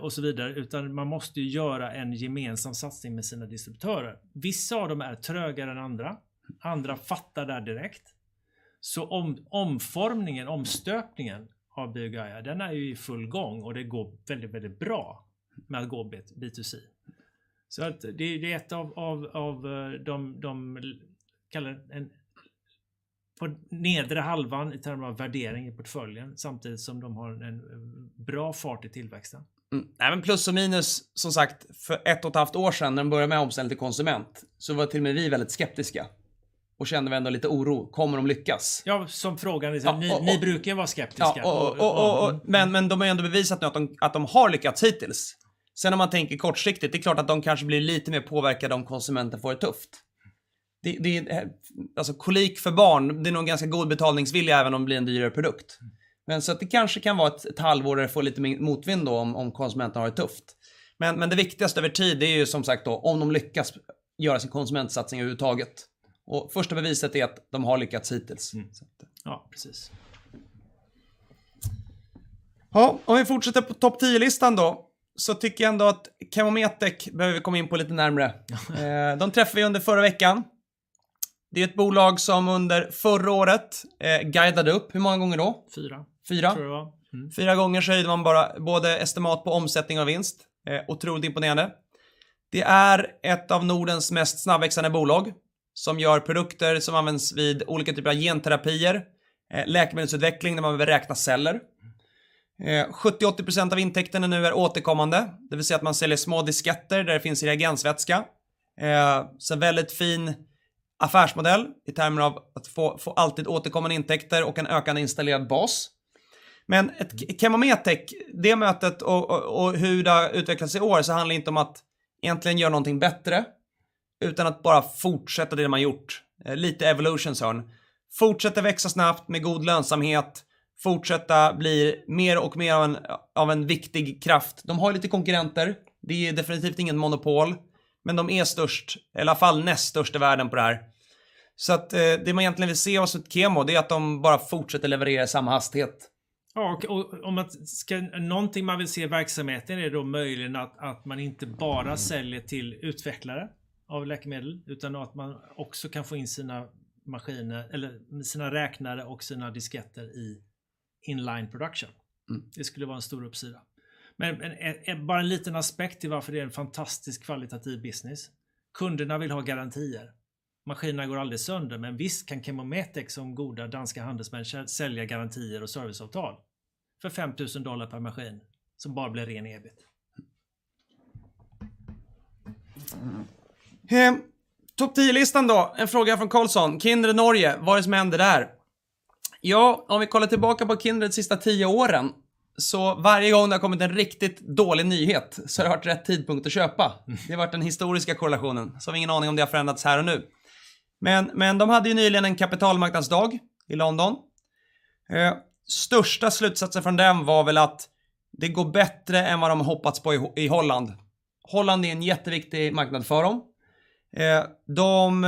och så vidare, utan man måste göra en gemensam satsning med sina distributörer. Vissa av dem är trögare än andra. Andra fattar det här direkt. Omformningen, omstöpningen av BioGaia, den är ju i full gång och det går väldigt bra med att gå B2C. Det är ett av de de kallar en, på nedre halvan i termer av värdering i portföljen, samtidigt som de har en bra fart i tillväxten. Nej men plus och minus, som sagt, för 1.5 år sen när de började med omställning till konsument så var till och med vi väldigt skeptiska och kände väl ändå lite oro. Kommer de lyckas? Ja, som frågan, ni brukar ju vara skeptiska. De har ju ändå bevisat nu att de har lyckats hittills. Om man tänker kortsiktigt, det är klart att de kanske blir lite mer påverkade om konsumenten får det tufft. Det alltså kolik för barn, det är nog ganska god betalningsvilja även om det blir en dyrare produkt. Så att det kanske kan vara ett halvår där det får lite motvind då om konsumenten har det tufft. Det viktigaste över tid är ju som sagt då om de lyckas göra sin konsumentsatsning överhuvudtaget. Första beviset är att de har lyckats hittills. Ja, precis. Jaha, om vi fortsätter på topp tio-listan då så tycker jag ändå att ChemoMetec behöver vi komma in på lite närmre. De träffade vi under förra veckan. Det är ett bolag som under förra året guidade upp. Hur många gånger då? Fyra. Fyra. Tror jag. 4 gånger så höjde man bara både estimat på omsättning och vinst. Otroligt imponerande. Det är ett av Nordens mest snabbväxande bolag som gör produkter som används vid olika typer av genterapier, läkemedelsutveckling när man behöver räkna celler. 70%-80% av intäkterna nu är återkommande, det vill säga att man säljer små disketter där det finns reagensvätska. Så väldigt fin affärsmodell i termer av att få alltid återkommande intäkter och en ökande installerad bas. Men ChemoMetec, det mötet och hur det har utvecklats i år så handlar det inte om att egentligen göra någonting bättre utan att bara fortsätta det man gjort. Lite evolutionärt. Fortsätta växa snabbt med god lönsamhet, fortsätta bli mer och mer av en viktig kraft. De har ju lite konkurrenter. Det är definitivt inget monopol, men de är störst, i alla fall näst störst i världen på det här. Det man egentligen vill se hos ett ChemoMetec är att de bara fortsätter leverera i samma hastighet. Om man ska, någonting man vill se i verksamheten är då möjligen att man inte bara säljer till utvecklare av läkemedel, utan att man också kan få in sina maskiner eller sina räknare och sina detektorer i inline production. Det skulle vara en stor uppsida. Men bara en liten aspekt till varför det är en fantastisk kvalitativ business. Kunderna vill ha garantier. Maskinen går aldrig sönder, men visst kan ChemoMetec som goda danska handelsmän sälja garantier och serviceavtal för $5,000 per maskin som bara blir ren evigt. Topp tio-listan då. En fråga från Karlsson: Kindred Norge, vad är det som händer där? Om vi kollar tillbaka på Kindreds sista 10 åren, varje gång det har kommit en riktigt dålig nyhet så har det varit rätt tidpunkt att köpa. Det har varit den historiska korrelationen. Vi har ingen aning om det har förändrats här och nu. De hade ju nyligen en kapitalmarknadsdag i London. Största slutsatsen från den var väl att det går bättre än vad de hoppats på i Holland. Holland är en jätteviktig marknad för dem. De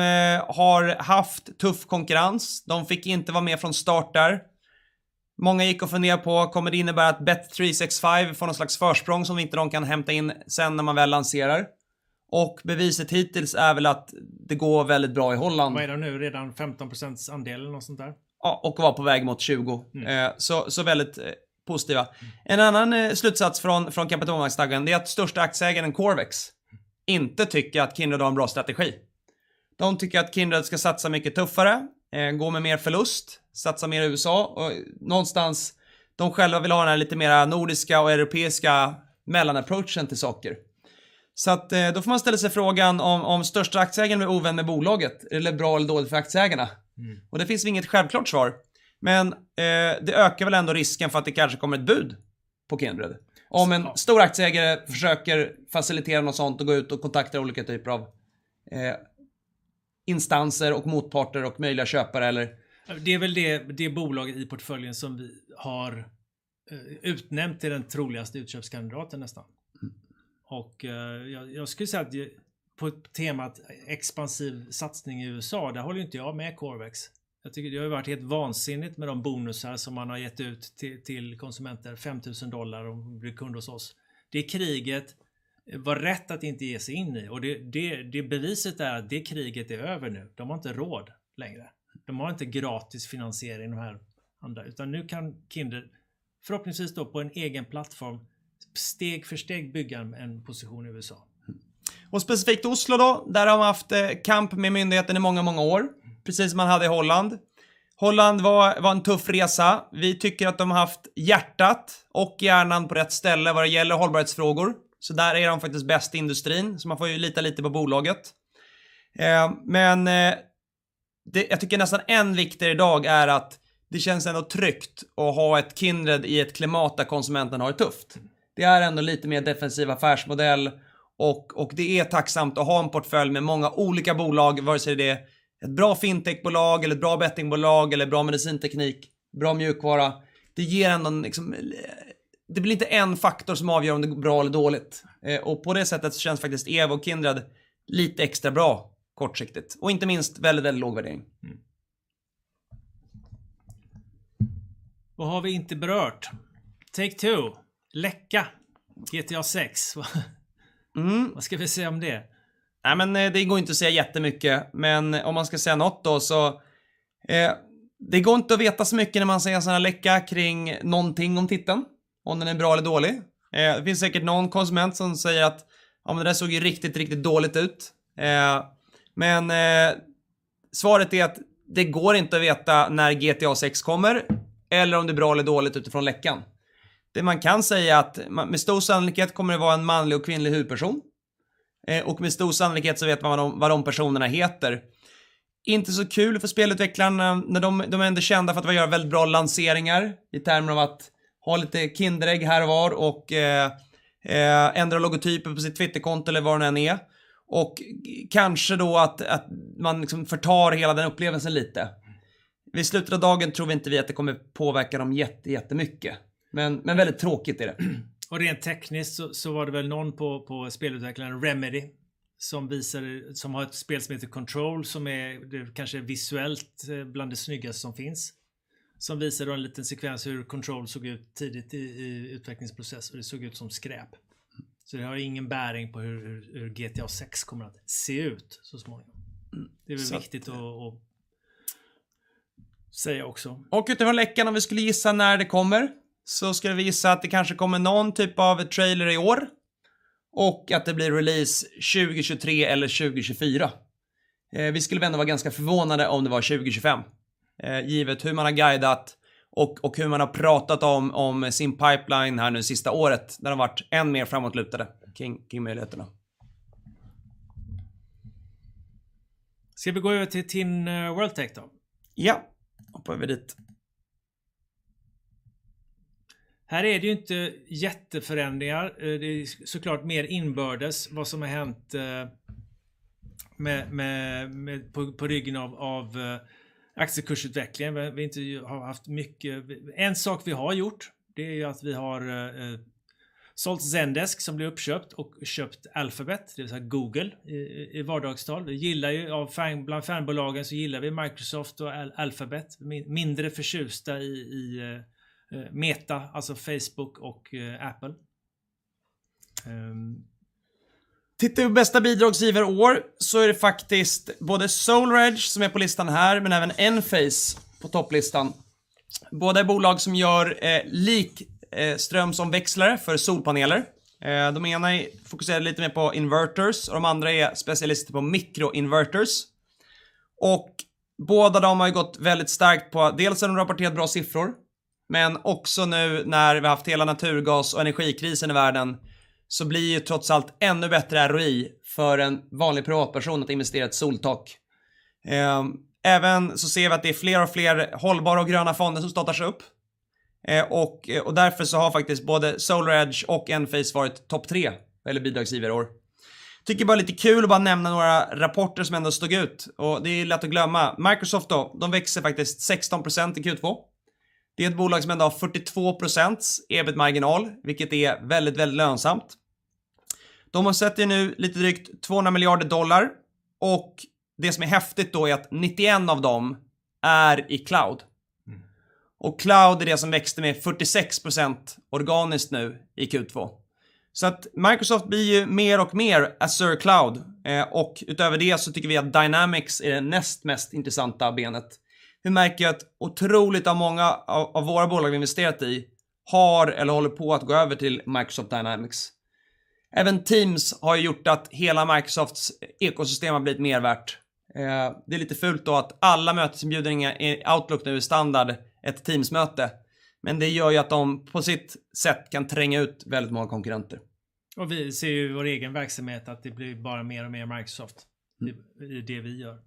har haft tuff konkurrens. De fick inte vara med från start där. Många gick och funderade på: Kommer det innebära att bet365 får något slags försprång som inte de kan hämta in sen när man väl lanserar? Beviset hittills är väl att det går väldigt bra i Holland. Vad är det nu? Redan 15% andel eller något sådant där. Var på väg mot 20. Väldigt positiva. En annan slutsats från kapitalmarknadsdagen är att största aktieägaren Corvex inte tycker att Kindred har en bra strategi. De tycker att Kindred ska satsa mycket tuffare, gå med mer förlust, satsa mer i USA. Någonstans, de själva vill ha den här lite mer nordiska och europeiska mellan-approachen till saker. Då får man ställa sig frågan om största aktieägaren är ovän med bolaget. Är det bra eller dåligt för aktieägarna? Det finns väl inget självklart svar, men det ökar väl ändå risken för att det kanske kommer ett bud på Kindred. Om en stor aktieägare försöker facilitera något sådant och gå ut och kontakta olika typer av, instanser och motparter och möjliga köpare eller- Det är väl det bolaget i portföljen som vi har utnämnt till den troligaste utköpskandidaten nästan. Jag skulle säga att på temat expansiv satsning i USA, där håller inte jag med Corvex. Jag tycker det har varit helt vansinnigt med de bonusar som man har gett ut till konsumenter. $5,000 om du blir kund hos oss. Det kriget var rätt att inte ge sig in i och det beviset är att det kriget är över nu. De har inte råd längre. De har inte gratis finansiering i de här, utan nu kan Kindred förhoppningsvis då på en egen plattform steg för steg bygga en position i USA. Specifikt Oslo då. Där har man haft kamp med myndigheten i många år. Precis som man hade i Holland. Holland var en tuff resa. Vi tycker att de haft hjärtat och hjärnan på rätt ställe vad det gäller hållbarhetsfrågor. Så där är de faktiskt bäst i industrin. Så man får ju lita lite på bolaget. Men det jag tycker är nästan ännu viktigare i dag är att det känns ändå tryggt att ha ett Kindred i ett klimat där konsumenten har det tufft. Det är ändå lite mer defensiv affärsmodell och det är tacksamt att ha en portfölj med många olika bolag, vare sig det är ett bra fintechbolag eller ett bra bettingbolag eller bra medicinteknik, bra mjukvara. Det ger ändå en liksom det blir inte en faktor som avgör om det går bra eller dåligt. På det sättet så känns faktiskt Ev och Kindred lite extra bra kortsiktigt och inte minst väldigt låg värdering. Vad har vi inte berört? Take-Two, läcka GTA 6. Mm. Vad ska vi säga om det? Nej men det går inte att säga jättemycket, men om man ska säga något då så, det går inte att veta så mycket när man ser en sådan här läcka kring någonting om titeln, om den är bra eller dålig. Det finns säkert någon konsument som säger att: "Ja, men det där såg ju riktigt dåligt ut." Svaret är att det går inte att veta när GTA 6 kommer eller om det är bra eller dålig utifrån läckan. Det man kan säga är att med stor sannolikhet kommer det vara en manlig och kvinnlig huvudperson. Med stor sannolikhet så vet man vad de personerna heter. Inte så kul för spelutvecklarna när de är ändå kända för att vara väldigt bra lanseringar i termer av att ha lite Kinderägg här och var och ändra logotypen på sitt Twitterkonto eller vad det nu än är. Kanske då att man liksom förtar hela den upplevelsen lite. Vid slutet av dagen tror vi inte att det kommer påverka dem jättemycket. Väldigt tråkigt är det. Rent tekniskt så var det väl någon på spelutvecklaren Remedy som visade, som har ett spel som heter Control, som är kanske visuellt bland det snyggaste som finns, som visar då en liten sekvens hur Control såg ut tidigt i utvecklingsprocess och det såg ut som skräp. Det har ingen bäring på hur GTA 6 kommer att se ut så småningom. Exakt. Det är väl viktigt att säga också. Utifrån läckan, om vi skulle gissa när det kommer, så skulle vi gissa att det kanske kommer någon typ av trailer i år och att det blir release 2023 eller 2024. Vi skulle väl ändå vara ganska förvånade om det var 2025, givet hur man har guidat och hur man har pratat om sin pipeline här nu sista året när de har varit än mer framåtlutade kring möjligheterna. Ska vi gå över till TIN World Tech då? Ja, då hoppar vi dit. Här är det ju inte jätteförändringar. Det är såklart mer inbördes vad som har hänt, med på ryggen av aktiekursutvecklingen. Vi har inte haft mycket. En sak vi har gjort, det är ju att vi har sålt Zendesk som blev uppköpt och köpt Alphabet, det vill säga Google i vardagstal. Vi gillar ju av FAANG, bland FAANG-bolagen så gillar vi Microsoft och Alphabet, mindre förtjusta i Meta, alltså Facebook och Apple. Tittar vi bästa bidragsgivare i år så är det faktiskt både SolarEdge som är på listan här, men även Enphase på topplistan. Båda är bolag som gör likström som växlar för solpaneler. De ena är fokuserade lite mer på inverters och de andra är specialister på microinverters. Båda de har ju gått väldigt starkt på att dels har de rapporterat bra siffror, men också nu när vi har haft hela naturgas- och energikrisen i världen så blir ju trots allt ännu bättre ROI för en vanlig privatperson att investera i ett soltak. Även så ser vi att det är fler och fler hållbara och gröna fonder som startas upp. Därför så har faktiskt både SolarEdge och Enphase varit topp tre eller bidragsgivare i år. Tycker bara lite kul att bara nämna några rapporter som ändå stod ut och det är lätt att glömma. Microsoft då, de växer faktiskt 16% i Q2. Det är ett bolag som ändå har 42% EBIT-marginal, vilket är väldigt lönsamt. De har sätter nu lite drygt $200 billion och det som är häftigt då är att 99 av dem är i cloud. Cloud är det som växte med 46% organiskt nu i Q2. Microsoft blir ju mer och mer Azure Cloud. Utöver det så tycker vi att Dynamics är det näst mest intressanta benet. Vi märker att otroligt många av våra bolag vi investerat i har eller håller på att gå över till Microsoft Dynamics. Teams har ju gjort att hela Microsofts ekosystem har blivit mer värt. Det är lite fult då att alla mötesinbjudningar i Outlook nu är standard ett Teams-möte, men det gör ju att de på sitt sätt kan tränga ut väldigt många konkurrenter. Vi ser ju i vår egen verksamhet att det blir bara mer och mer Microsoft i det vi gör.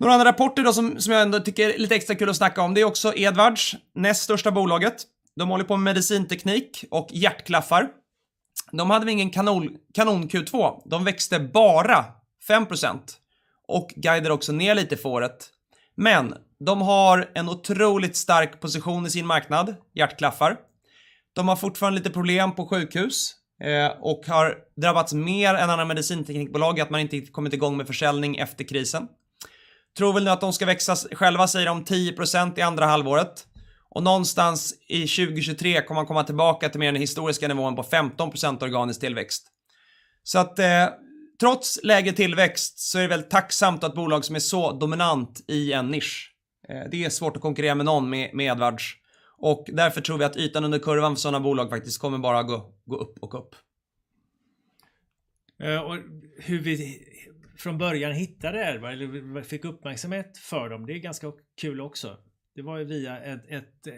Några andra rapporter då som jag ändå tycker är lite extra kul att snacka om, det är också Edwards, näst största bolaget. De håller på med medicinteknik och hjärtklaffar. De hade ingen kanon Q2. De växte bara 5% och guidar också ner lite i året. Men de har en otroligt stark position i sin marknad, hjärtklaffar. De har fortfarande lite problem på sjukhus och har drabbats mer än andra medicinteknikbolag i att man inte kommit i gång med försäljning efter krisen. Tror väl nu att de ska växa, själva säger de 10% i andra halvåret och någonstans i 2023 kommer man komma tillbaka till mer den historiska nivån på 15% organisk tillväxt. Trots lägre tillväxt så är det väldigt tacksamt att ett bolag som är så dominant i en nisch. Det är svårt att konkurrera med någon med Edwards Lifesciences och därför tror vi att ytan under kurvan för sådana bolag faktiskt kommer bara gå upp och upp. Hur vi från början hittade det eller fick uppmärksamhet för dem, det är ganska kul också. Det var ju via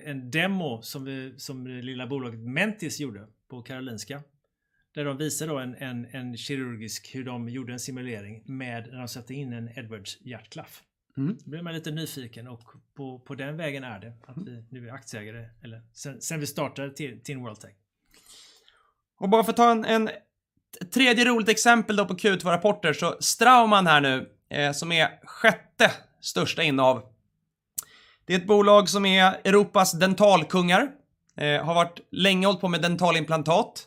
en demo som vi, som lilla bolaget Mentice gjorde på Karolinska, där de visade då en kirurgisk hur de gjorde en simulering med när de satte in en Edwards hjärtklaff. Då blev man lite nyfiken och på den vägen är det att vi nu är aktieägare eller sen vi startade TIN World Tech. Bara för att ta en tredje roligt exempel då på Q2-rapporter så Straumann här nu, som är sjätte största innehav. Det är ett bolag som är Europas dentalkungar, har varit länge hållit på med dentalimplantat,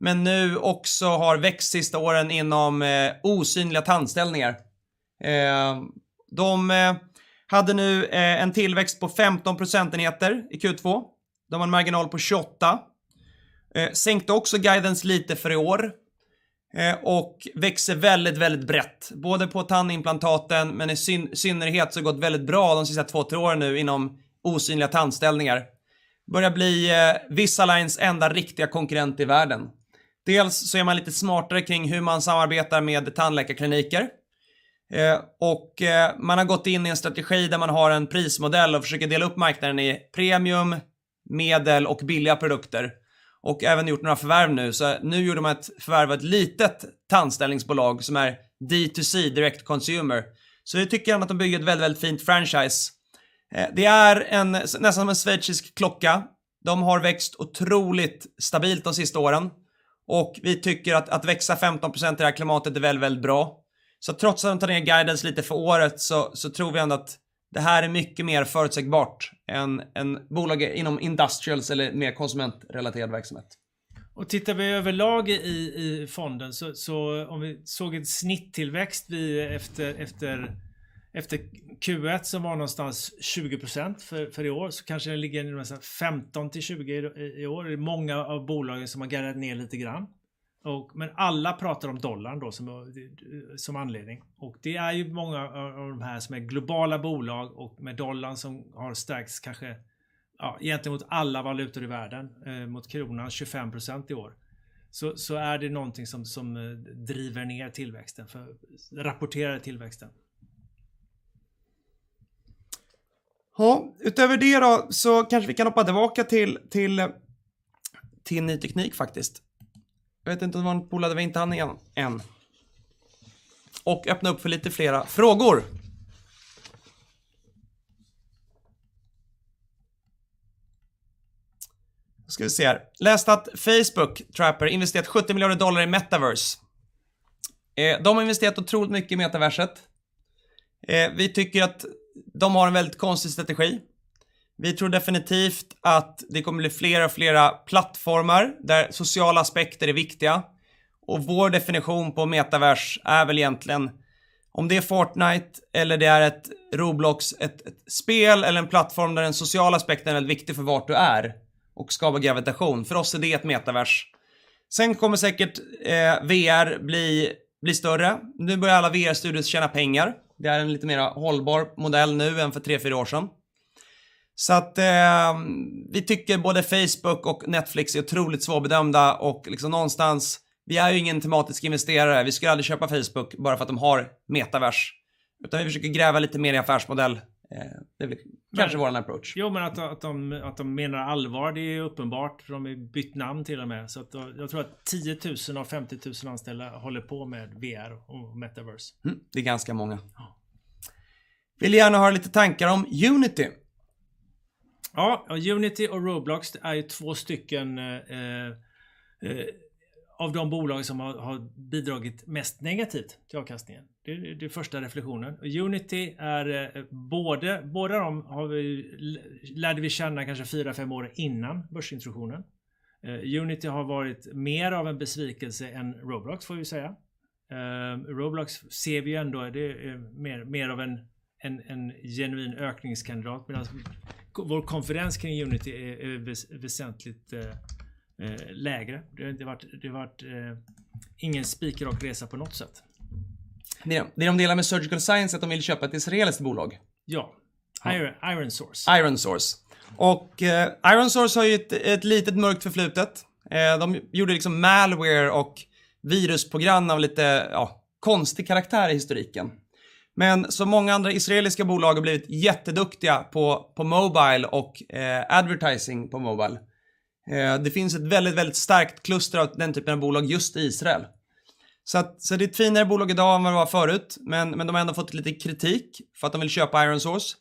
men nu också har växt sista åren inom osynliga tandställningar. De hade nu en tillväxt på 15 procentenheter i Q2. De har en marginal på 28. Sänkte också guidance lite för i år, och växer väldigt brett, både på tandimplantaten men i synnerhet så har det gått väldigt bra de sista två, tre åren nu inom osynliga tandställningar. Börjar bli Invisaligns enda riktiga konkurrent i världen. Dels så är man lite smartare kring hur man samarbetar med tandläkarkliniker. Man har gått in i en strategi där man har en prismodell och försöker dela upp marknaden i premium, medel och billiga produkter och även gjort några förvärv nu. Nu gjorde de ett förvärv av ett litet tandställningsbolag som är D2C, direct consumer. Tycker jag att de bygger ett väldigt fint franchise. Det är en nästan som en schweizisk klocka. De har växt otroligt stabilt de sista åren och vi tycker att växa 15% i det här klimatet är väldigt bra. Trots att de tar ner guidance lite för året så tror vi ändå att det här är mycket mer förutsägbart än bolag inom industrials eller mer konsumentrelaterad verksamhet. Tittar vi överlag i fonden så om vi såg en snittillväxt efter Q1 som var någonstans 20% för i år, så kanske det ligger någonstans 15%-20% i år. Det är många av bolagen som har gått ner lite grann. Men alla pratar om dollarn då som anledning. Det är ju många av de här som är globala bolag och med dollarn som har stärkts kanske egentligen mot alla valutor i världen, mot kronan 25% i år. Det är det någonting som driver ner tillväxten för rapporterad tillväxten. Ja, utöver det då så kanske vi kan hoppa tillbaka till ny teknik faktiskt. Jag vet inte om det var ett bolag vi inte hann igen, än. Öppna upp för lite flera frågor. Ska vi se här. Läste att Meta, Trapper, investerat $70 billion i metaverset. De har investerat otroligt mycket i metaverset. Vi tycker att de har en väldigt konstig strategi. Vi tror definitivt att det kommer bli flera och flera plattformar där sociala aspekter är viktiga och vår definition på metaverse är väl egentligen om det är Fortnite eller det är ett Roblox, ett spel eller en plattform där den sociala aspekten är väldigt viktig för vart du är och skapar gravitation. För oss är det ett metaverse. Kommer säkert VR bli större. Nu börjar alla VR-studios tjäna pengar. Det är en lite mer hållbar modell nu än för 3, 4 år sen. Vi tycker både Facebook och Netflix är otroligt svårbedömda och liksom någonstans, vi är ju ingen tematisk investerare. Vi skulle aldrig köpa Facebook bara för att de har metaverse, utan vi försöker gräva lite mer i affärsmodell. Det är kanske vår approach. Jo, men att de menar allvar, det är uppenbart. De har ju bytt namn till och med. Jag tror att 10,000 av 50,000 anställda håller på med VR och metaverse. Det är ganska många. Ja. Vill gärna höra lite tankar om Unity. Ja, Unity och Roblox är ju två stycken av de bolagen som har bidragit mest negativt till avkastningen. Det är den första reflektionen. Unity är både dem har vi lärt känna kanske fyra, fem år innan börsintroduktionen. Unity har varit mer av en besvikelse än Roblox får vi säga. Roblox ser vi ändå, det är mer av en genuin ökningskandidat medans vår konfidens kring Unity är väsentligt lägre. Det har varit ingen spikrak resa på något sätt. Det de delar med Surgical Science att de vill köpa ett israeliskt bolag. Ja, ironSource. ironSource har ju ett litet mörkt förflutet. De gjorde liksom malware och virusprogram av lite konstig karaktär i historiken. Men som många andra israeliska bolag har blivit jätteduktiga på mobile och advertising på mobile. Det finns ett väldigt starkt kluster av den typen av bolag just i Israel. Det är ett finare bolag i dag än vad det var förut, men de har ändå fått lite kritik för att de vill köpa ironSource.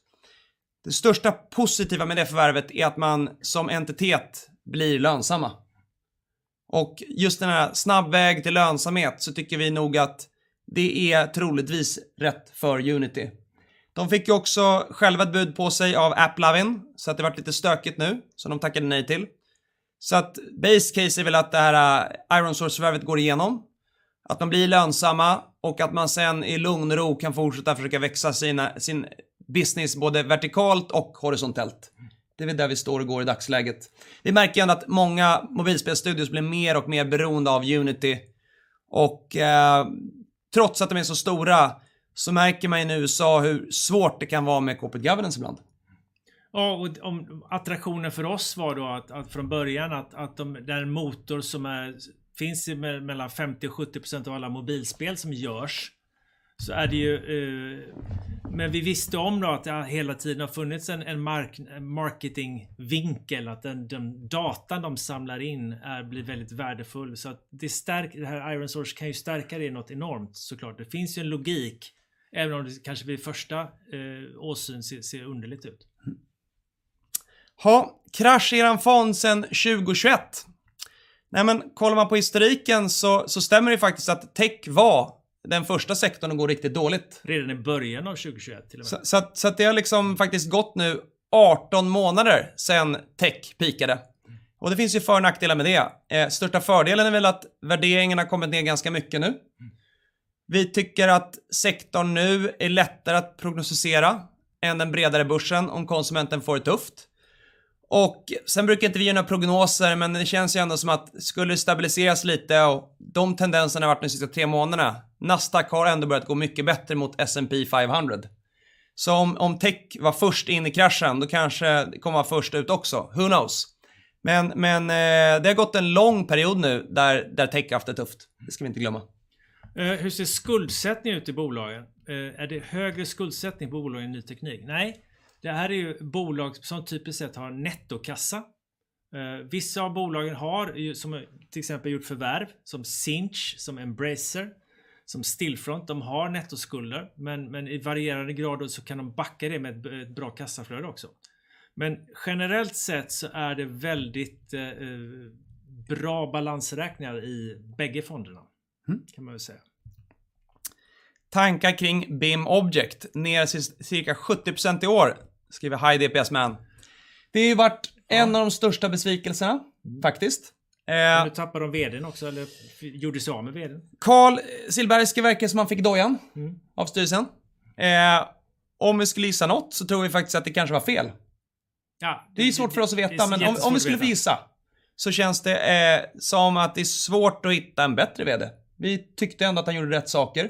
Det största positiva med det förvärvet är att man som entitet blir lönsamma. Just den här snabba väg till lönsamhet så tycker vi nog att det är troligtvis rätt för Unity. De fick ju också själva ett bud på sig av AppLovin, så det blev lite stökigt nu, som de tackade nej till. att base case är väl att det här ironSource-förvärvet går igenom, att de blir lönsamma och att man sen i lugn och ro kan fortsätta försöka växa sina, sin business både vertikalt och horisontellt. Det är väl där vi står och går i dagsläget. Vi märker ändå att många mobilspelsstudios blir mer och mer beroende av Unity. trots att de är så stora så märker man i USA hur svårt det kan vara med corporate governance ibland. Om attraktionen för oss var då att från början den motor som finns i 50%-70% av alla mobilspel som görs så är det ju. Vi visste om då att det hela tiden har funnits en marketingvinkel. Den datan de samlar in blir väldigt värdefull. Det stärker det här ironSource kan ju stärka det något enormt så klart. Det finns ju en logik även om det kanske vid första åsyn ser underligt ut. Ha, krascherna fond sedan 2021. Nej, men kollar man på historiken så stämmer det faktiskt att tech var den första sektorn att gå riktigt dåligt. Redan i början av 2021 till och med. Det har liksom faktiskt gått nu 18 månader sedan tech peakade. Det finns ju för- och nackdelar med det. Största fördelen är väl att värderingen har kommit ner ganska mycket nu. Vi tycker att sektorn nu är lättare att prognostisera än den bredare börsen om konsumenten får det tufft. Sen brukar inte vi ge några prognoser, men det känns ju ändå som att skulle det stabiliseras lite och de tendenserna har varit de sista 3 månaderna. Nasdaq har ändå börjat gå mycket bättre mot S&P 500. Om tech var först in i kraschen, då kanske kommer man först ut också. Who knows? Men det har gått en lång period nu där tech har haft det tufft. Det ska vi inte glömma. Hur ser skuldsättningen ut i bolagen? Är det högre skuldsättning i bolagen i ny teknik? Nej, det här är ju bolag som typiskt sett har nettokassa. Vissa av bolagen har ju, som till exempel gjort förvärv, som Sinch, som Embracer, som Stillfront. De har nettoskulder, men i varierande grad och så kan de backa det med ett bra kassaflöde också. Men generellt sett så är det väldigt bra balansräkningar i bägge fonderna kan man väl säga. Tankar kring BIMobject, ner cirka 70% i år", skriver High DPS Man. Det har ju varit en av de största besvikelserna faktiskt. Nu tappade de VD:n också, eller gjorde sig av med VD:n. Carl Silbersky verkar som han fick dojan av styrelsen. Om vi skulle gissa något så tror vi faktiskt att det kanske var fel. Det är ju svårt för oss att veta, men om vi skulle få gissa så känns det som att det är svårt att hitta en bättre VD. Vi tyckte ändå att han gjorde rätt saker.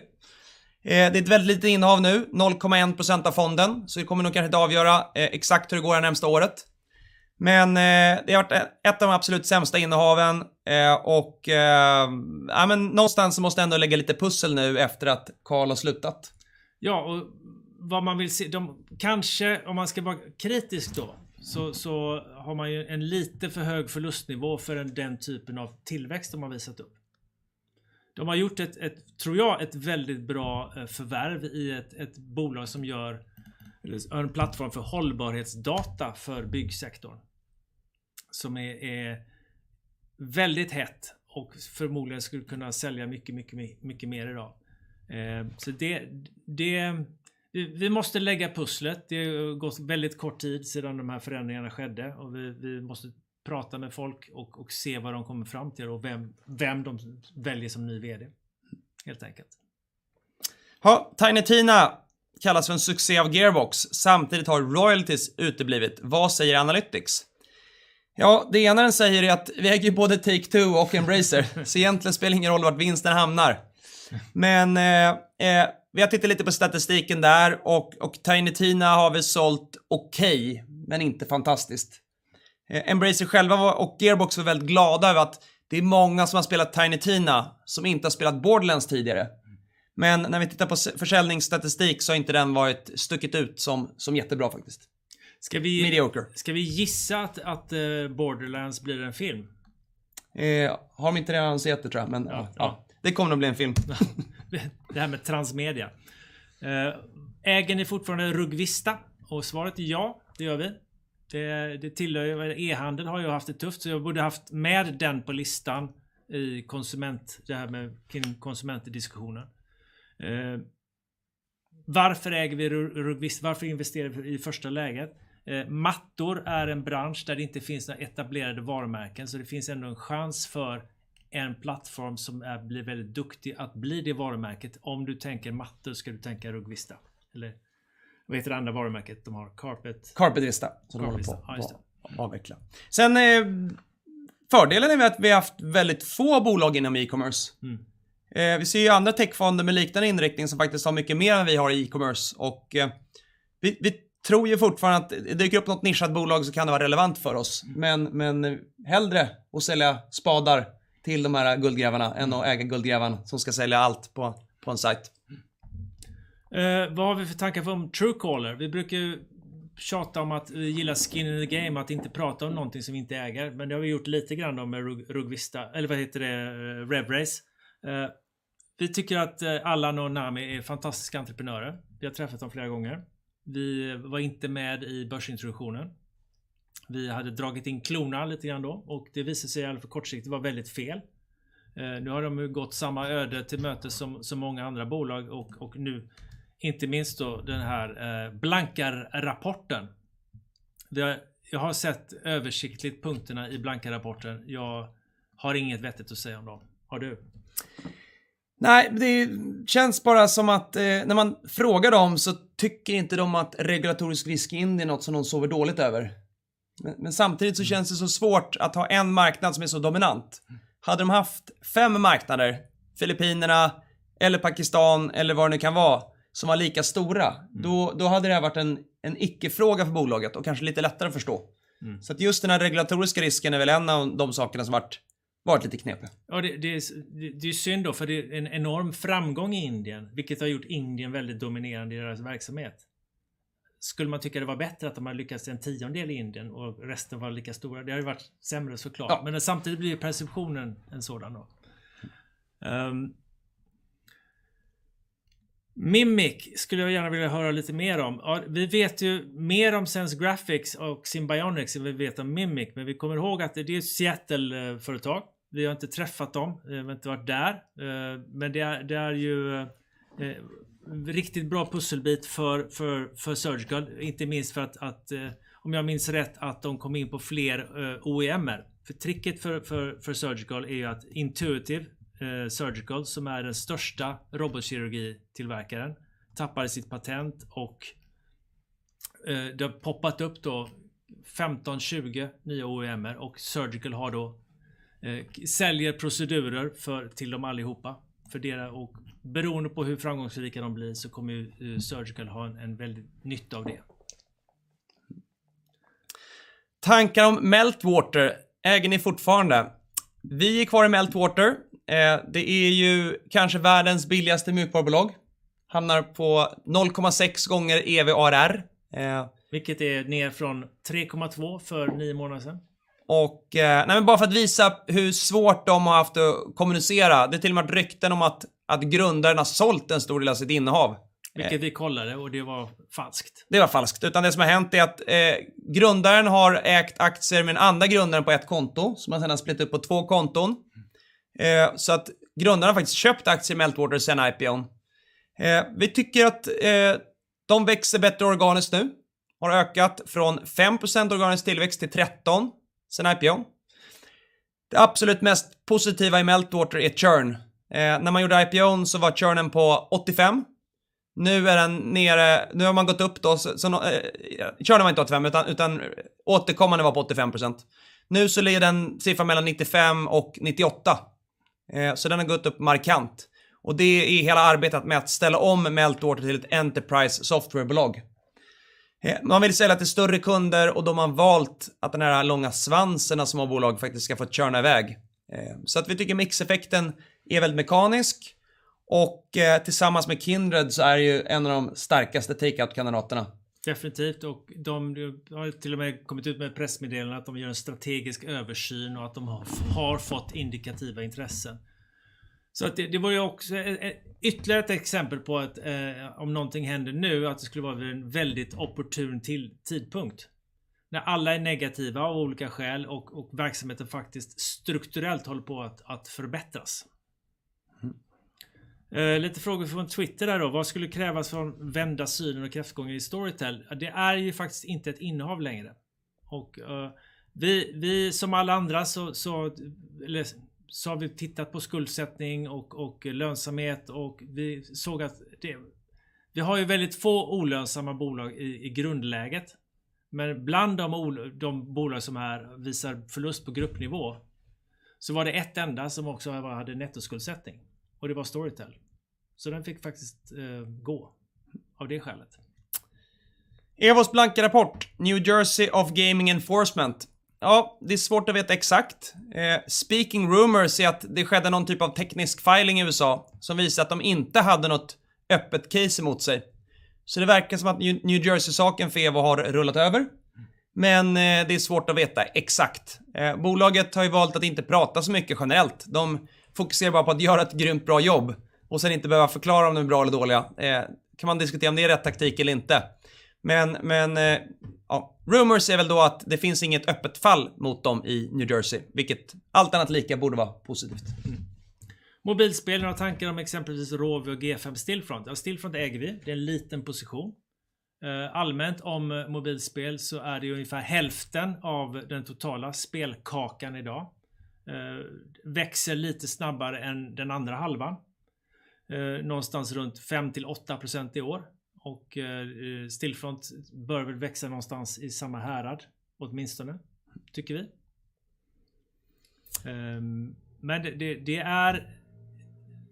Det är ett väldigt litet innehav nu, 0.1% av fonden, så det kommer nog kanske inte avgöra exakt hur det går det närmsta året. Men det har varit ett av de absolut sämsta innehaven. Ja men någonstans så måste jag ändå lägga lite pussel nu efter att Carl har slutat. Vad man vill se, de kanske, om man ska vara kritisk då, så har man ju en lite för hög förlustnivå för den typen av tillväxt de har visat upp. De har gjort ett tror jag ett väldigt bra förvärv i ett bolag som gör, eller har en plattform för hållbarhetsdata för byggsektorn. Som är väldigt hett och förmodligen skulle kunna sälja mycket mer i dag. Så det vi måste lägga pusslet. Det går väldigt kort tid sedan de här förändringarna skedde och vi måste prata med folk och se vad de kommer fram till och vem de väljer som ny VD helt enkelt. Jaha, Tiny Tina kallas för en succé av Gearbox. Samtidigt har royalties uteblivit. Vad säger analytics? Ja, det ena den säger är att vi äger ju både Take-Two och Embracer. Så egentligen spelar det ingen roll vart vinsten hamnar. Men vi har tittat lite på statistiken där och Tiny Tina har väl sålt okej, men inte fantastiskt. Embracer själva var och Gearbox var väldigt glada över att det är många som har spelat Tiny Tina som inte har spelat Borderlands tidigare. Men när vi tittar på Steam-försäljningsstatistik så har inte den varit stickit ut som jättebra faktiskt. Medioker. Ska vi gissa att Borderlands blir en film? Har de inte redan annonserat det tror jag, men ja, det kommer nog bli en film. Det här med transmedia. Äger ni fortfarande RugVista? Svaret är ja, det gör vi. Det tillhör ju, e-handel har ju haft det tufft, så jag borde haft med den på listan i konsument, det här med kring konsument i diskussionen. Varför äger vi RugVista? Varför investerar vi i första läget? Mattor är en bransch där det inte finns några etablerade varumärken, så det finns ändå en chans för en plattform som är, blir väldigt duktig att bli det varumärket. Om du tänker mattor ska du tänka RugVista. Eller vad heter det andra varumärket de har? CarpetVista? CarpetVista som de håller på att avveckla. Fördelen är väl att vi haft väldigt få bolag inom e-commerce. Vi ser ju andra techfonder med liknande inriktning som faktiskt har mycket mer än vi har i e-commerce och vi tror ju fortfarande att dyker det upp något nischat bolag så kan det vara relevant för oss. Men hellre att sälja spadar till de här guldgrävarna än att äga guldgrävaren som ska sälja allt på en sajt. Vad har vi för tankar om Truecaller? Vi brukar ju tjata om att vi gillar skin in the game, att inte prata om någonting som vi inte äger. Det har vi gjort lite grann då med RugVista. Eller vad heter det? Embracer. Vi tycker att Alan och Nami är fantastiska entreprenörer. Vi har träffat dem flera gånger. Vi var inte med i börsintroduktionen. Vi hade dragit in klorna lite grann då och det visade sig i alla fall kortsiktigt var väldigt fel. Nu har de ju gått samma öde till mötes som många andra bolag och nu inte minst då den här blankarrapporten. Det jag har sett översiktligt punkterna i blankarrapporten. Jag har inget vettigt att säga om dem. Har du? Nej, det känns bara som att när man frågar dem så tycker inte de att regulatorisk risk i Indien är något som de sover dåligt över. Men samtidigt så känns det så svårt att ha en marknad som är så dominant. Hade de haft fem marknader, Filippinerna eller Pakistan eller vad det nu kan vara, som var lika stora, då hade det här varit en icke-fråga för bolaget och kanske lite lättare att förstå. Så att just den här regulatoriska risken är väl en av de sakerna som varit lite knepig. Ja, det är synd då för det är en enorm framgång i Indien, vilket har gjort Indien väldigt dominerande i deras verksamhet. Skulle man tycka det var bättre att de har lyckats en tiondel i Indien och resten var lika stora? Det hade ju varit sämre så klart. Men samtidigt blir ju perceptionen en sådan då. Mimic skulle jag gärna vilja höra lite mer om. Ja, vi vet ju mer om SenseGraphics och Simbionix än vi vet om Mimic. Men vi kommer ihåg att det är ett Seattle-företag. Vi har inte träffat dem, vi har inte varit där. Men det är en riktigt bra pusselbit för Surgical. Inte minst för att, om jag minns rätt, att de kom in på fler OEM:er. Tricket för Surgical är att Intuitive Surgical som är den största robotkirurgitillverkaren tappade sitt patent och det har poppat upp 15, 20 nya OEM:er och Surgical har säljer procedurer för till dem allihopa för deras. Beroende på hur framgångsrika de blir så kommer Surgical ha en väldig nytta av det. Tankar om Meltwater, äger ni fortfarande? Vi är kvar i Meltwater. Det är ju kanske världens billigaste målbart bolag. Hamnar på 0.6 gånger EV/ARR. Vilket är ner från 3.2 för 9 månader sen. Nej men bara för att visa hur svårt de har haft att kommunicera. Det är till och med rykten om att grundaren har sålt en stor del av sitt innehav. Vilket vi kollade och det var falskt. Det var falskt. Det som har hänt är att grundaren har ägt aktier med en andra grundare på ett konto som man sedan har split upp på två konton. Så att grundaren har faktiskt köpt aktier i Meltwater sedan IPO:n. Vi tycker att de växer bättre organiskt nu. Har ökat från 5% organisk tillväxt till 13 sedan IPO:n. Det absolut mest positiva i Meltwater är churn. När man gjorde IPO:n så var churnen på 85. Nu är den nere, nu har man gått upp då sen. Churnen var inte 85, utan återkommande var på 85%. Nu så ligger den en siffra mellan 95 och 98. Så den har gått upp markant och det är hela arbetet med att ställa om Meltwater till ett enterprise softwarebolag. Man vill sälja till större kunder och då har man valt att den här långa svansen av små bolag faktiskt ska få churna i väg. Så att vi tycker mixeffekten är väldigt mekanisk och tillsammans med Kindred så är det ju en av de starkaste take out-kandidaterna. Definitivt. De har ju till och med kommit ut med pressmeddelande att de gör en strategisk översyn och att de har fått indikativa intressen. Så att det var ju också ett ytterligare exempel på att om någonting händer nu, att det skulle vara vid en väldigt opportun tidpunkt. När alla är negativa av olika skäl och verksamheten faktiskt strukturellt håller på att förbättras. Lite frågor från Twitter där då. Vad skulle krävas för att vända synen och kraftgången i Storytel? Ja, det är ju faktiskt inte ett innehav längre. Vi som alla andra har vi tittat på skuldsättning och lönsamhet och vi såg att vi har ju väldigt få olönsamma bolag i grundläget, men bland de bolag som här visar förlust på gruppnivå var det ett enda som också hade nettoskuldsättning och det var Storytel. Den fick faktiskt gå av det skälet. EVO's blanka rapport, New Jersey Division of Gaming Enforcement. Ja, det är svårt att veta exakt. Speaking Rumours säger att det skedde någon typ av teknisk filing i USA som visade att de inte hade något öppet case emot sig. Det verkar som att New Jersey-saken för EVO har rullat över. Men, det är svårt att veta exakt. Bolaget har ju valt att inte prata så mycket generellt. De fokuserar bara på att göra ett grymt bra jobb och sen inte behöva förklara om de är bra eller dåliga. Kan man diskutera om det är rätt taktik eller inte. Men, ja, rumors är väl då att det finns inget öppet fall mot dem i New Jersey, vilket allt annat lika borde vara positivt. Mobilspel, några tankar om exempelvis Rovio och G5, Stillfront? Ja, Stillfront äger vi. Det är en liten position. Allmänt om mobilspel så är det ju ungefär hälften av den totala spelkakan idag. Växer lite snabbare än den andra halvan. Någonstans runt 5%-8% i år. Stillfront bör väl växa någonstans i samma härad åtminstone tycker vi. Men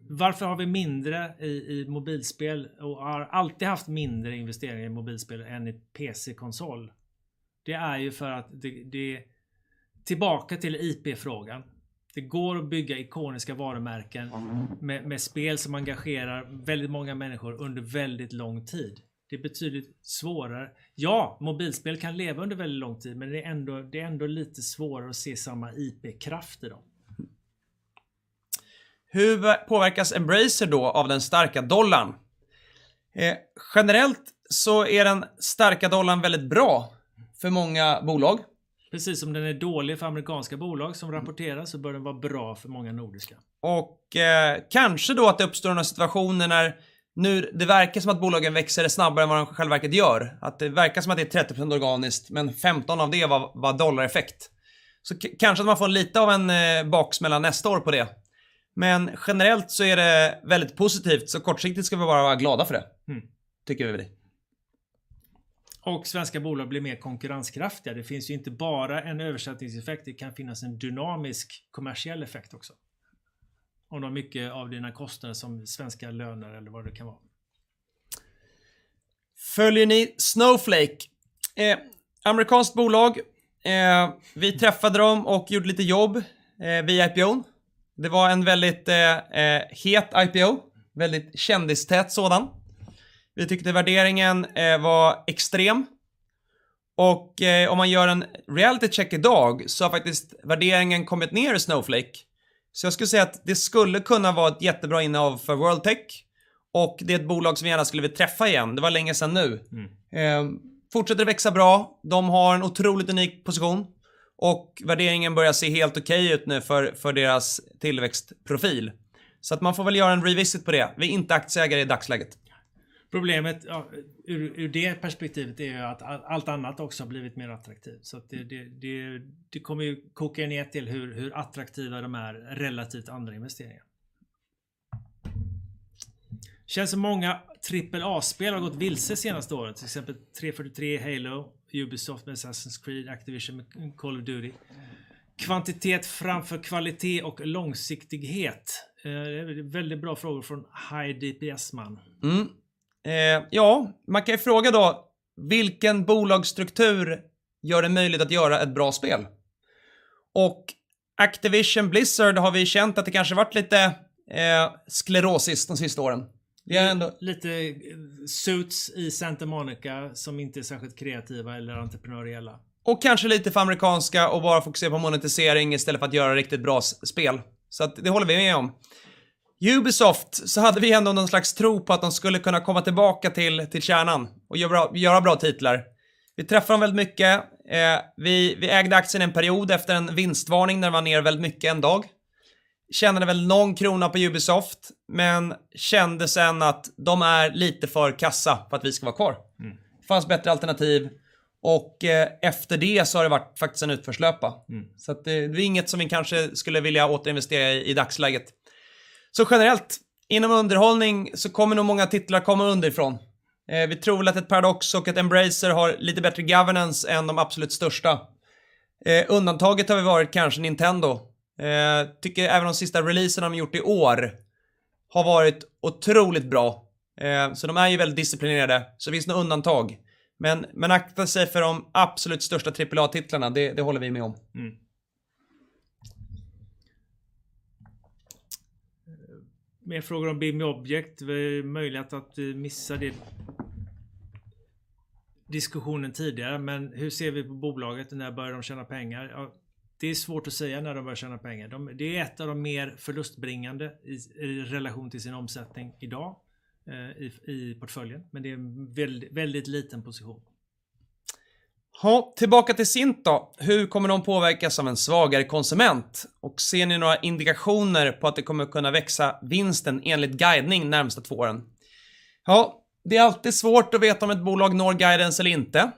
varför har vi mindre i mobilspel och har alltid haft mindre investeringar i mobilspel än i PC/konsol? Det är ju för att det. Tillbaka till IP-frågan. Det går att bygga ikoniska varumärken med spel som engagerar väldigt många människor under väldigt lång tid. Det är betydligt svårare. Ja, mobilspel kan leva under väldigt lång tid, men det är ändå lite svårare att se samma IP-kraft i dem. Påverkas Embracer då av den starka dollarn? Generellt så är den starka dollarn väldigt bra för många bolag. Precis som den är dålig för amerikanska bolag som rapporterar så bör den vara bra för många nordiska. Kanske då att det uppstår några situationer när nu det verkar som att bolagen växer snabbare än vad de i själva verket gör. Att det verkar som att det är 30% organiskt, men 15 av det var dollareffekt. Kanske att man får lite av en baksmälla nästa år på det. Generellt så är det väldigt positivt. Kortsiktigt ska vi bara vara glada för det, tycker vi. Svenska bolag blir mer konkurrenskraftiga. Det finns ju inte bara en översättningseffekt, det kan finnas en dynamisk kommersiell effekt också. Om du har mycket av dina kostnader som svenska löner eller vad det kan vara. Följer ni Snowflake? Amerikanskt bolag. Vi träffade dem och gjorde lite jobb vid IPO:n. Det var en väldigt het IPO, väldigt kändistät sådan. Vi tyckte värderingen var extrem. Om man gör en reality check idag så har faktiskt värderingen kommit ner i Snowflake. Jag skulle säga att det skulle kunna vara ett jättebra innehav för World Tech och det är ett bolag som vi gärna skulle vilja träffa igen. Det var länge sedan nu. Fortsätter växa bra. De har en otroligt unik position och värderingen börjar se helt okej ut nu för deras tillväxtprofil. Att man får väl göra en revisit på det. Vi är inte aktieägare i dagsläget. Problemet ur det perspektivet är ju att allt annat också har blivit mer attraktivt. Det kommer ju koka ner till hur attraktiva de är relativt andra investeringar. Känns som många trippel A-spel har gått vilse senaste året, till exempel 343 Halo, Ubisoft med Assassin's Creed, Activision med Call of Duty. Kvantitet framför kvalitet och långsiktighet. Väldigt bra frågor från High DPS Man. Ja, man kan ju fråga då, vilken bolagsstruktur gör det möjligt att göra ett bra spel? Activision Blizzard har vi känt att det kanske varit lite sklerosigt de sista åren. Det är ändå- Lite suits i Santa Monica som inte är särskilt kreativa eller entreprenöriella. Kanske lite för amerikanska att bara fokusera på monetisering istället för att göra riktigt bra spel. Det håller vi med om. Ubisoft hade vi ändå någon slags tro på att de skulle kunna komma tillbaka till kärnan och göra bra titlar. Vi träffade dem väldigt mycket. Vi ägde aktien en period efter en vinstvarning när den var nere väldigt mycket en dag. Tjänade väl någon SEK på Ubisoft, men kände sedan att de är lite för kassa för att vi ska vara kvar. Fanns bättre alternativ och efter det har det varit faktiskt en utförslöpa. Det är inget som vi kanske skulle vilja återinvestera i i dagsläget. Generellt, inom underhållning kommer nog många titlar komma underifrån. Vi tror väl att ett Paradox och ett Embracer har lite bättre governance än de absolut största. Undantaget har väl varit kanske Nintendo. Tycker även de sista releaserna de har gjort i år har varit otroligt bra. De är ju väldigt disciplinerade, så det finns några undantag. Akta sig för de absolut största trippel A-titlarna, det håller vi med om. Mer frågor om BIMobject. Det är möjligt att vi missade diskussionen tidigare, men hur ser vi på bolaget och när börjar de tjäna pengar? Ja, det är svårt att säga när de börjar tjäna pengar. Det är ett av de mer förlustbringande i relation till sin omsättning idag i portföljen, men det är en väldigt liten position. Jaha, tillbaka till Cint då. Hur kommer de påverkas av en svagare konsument? Ser ni några indikationer på att de kommer kunna växa vinsten enligt guidning närmaste två åren? Ja, det är alltid svårt att veta om ett bolag når guidance eller inte.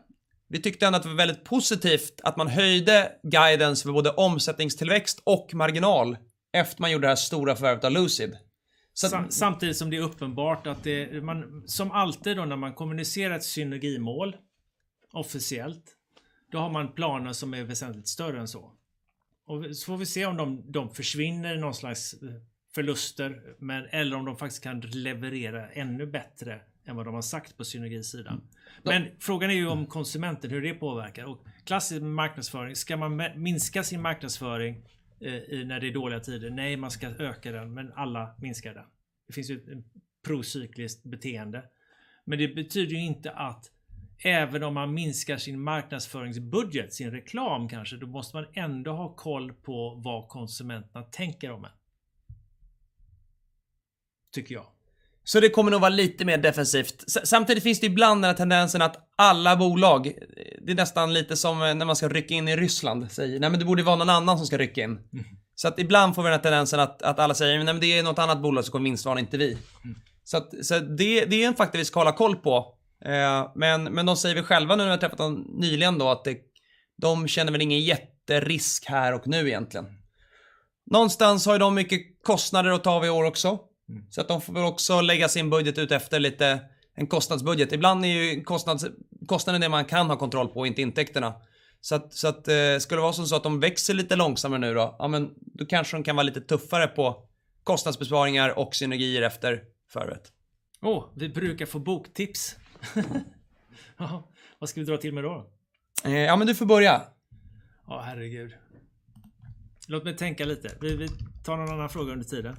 Vi tyckte ändå att det var väldigt positivt att man höjde guidance för både omsättningstillväxt och marginal efter man gjorde det här stora förvärvet av Lucid. Samtidigt som det är uppenbart att det man som alltid då när man kommunicerar ett synergimål officiellt då har man planer som är väsentligt större än så. Så får vi se om de försvinner i någon slags förluster eller om de faktiskt kan leverera ännu bättre än vad de har sagt på synergisidan. Frågan är ju om konsumenten hur det påverkar. Klassisk marknadsföring, ska man minska sin marknadsföring i när det är dåliga tider? Nej, man ska öka den, men alla minskar den. Det finns ju ett procykliskt beteende. Det betyder ju inte att även om man minskar sin marknadsföringsbudget, sin reklam kanske, då måste man ändå ha koll på vad konsumenterna tänker om en. Tycker jag. Det kommer nog vara lite mer defensivt. Samtidigt finns det ibland den här tendensen att alla bolag, det är nästan lite som när man ska rycka in i Ryssland, säger, nej men det borde ju vara någon annan som ska rycka in. Ibland får vi den här tendensen att alla säger, nej men det är något annat bolag som kommer minska, det är inte vi. Det är en faktor vi ska hålla koll på. Men de säger väl själva nu när vi har träffat dem nyligen då att det, de känner väl ingen jätterisk här och nu egentligen. Någonstans har ju de mycket kostnader att ta av i år också. De får väl också lägga sin budget utefter lite en kostnadsbudget. Ibland är ju kostnaden det man kan ha kontroll på, inte intäkterna. Skulle det vara som så att de växer lite långsammare nu då, ja men då kanske de kan vara lite tuffare på kostnadsbesparingar och synergier efter förvärvet. Vi brukar få boktips. Jaha, vad ska vi dra till med då? Ja men du får börja. Ja, herregud. Låt mig tänka lite. Vi tar någon annan fråga under tiden.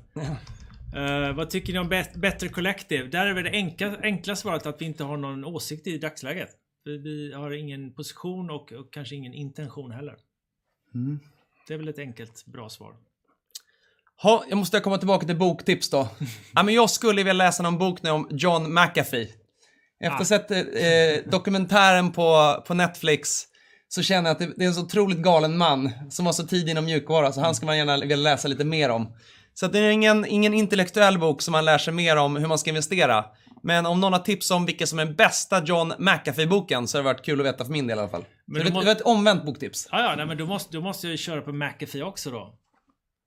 Vad tycker ni om Better Collective? Där är väl det enkla svaret att vi inte har någon åsikt i dagsläget. Vi har ingen position och kanske ingen intention heller. Det är väl ett enkelt, bra svar. Jaha, jag måste komma tillbaka till boktips då. Ja, men jag skulle vilja läsa någon bok nu om John McAfee. Efter att sett dokumentären på Netflix så känner jag att det är en så otroligt galen man som var så tidig inom mjukvara, så han skulle man gärna vilja läsa lite mer om. Så att det är ingen intellektuell bok som man lär sig mer om hur man ska investera. Men om någon har tips om vilken som är bästa John McAfee-boken så hade det varit kul att veta för min del i alla fall. Det var ett omvänt boktips. Ja, nej men då måste jag ju köra på McAfee också då.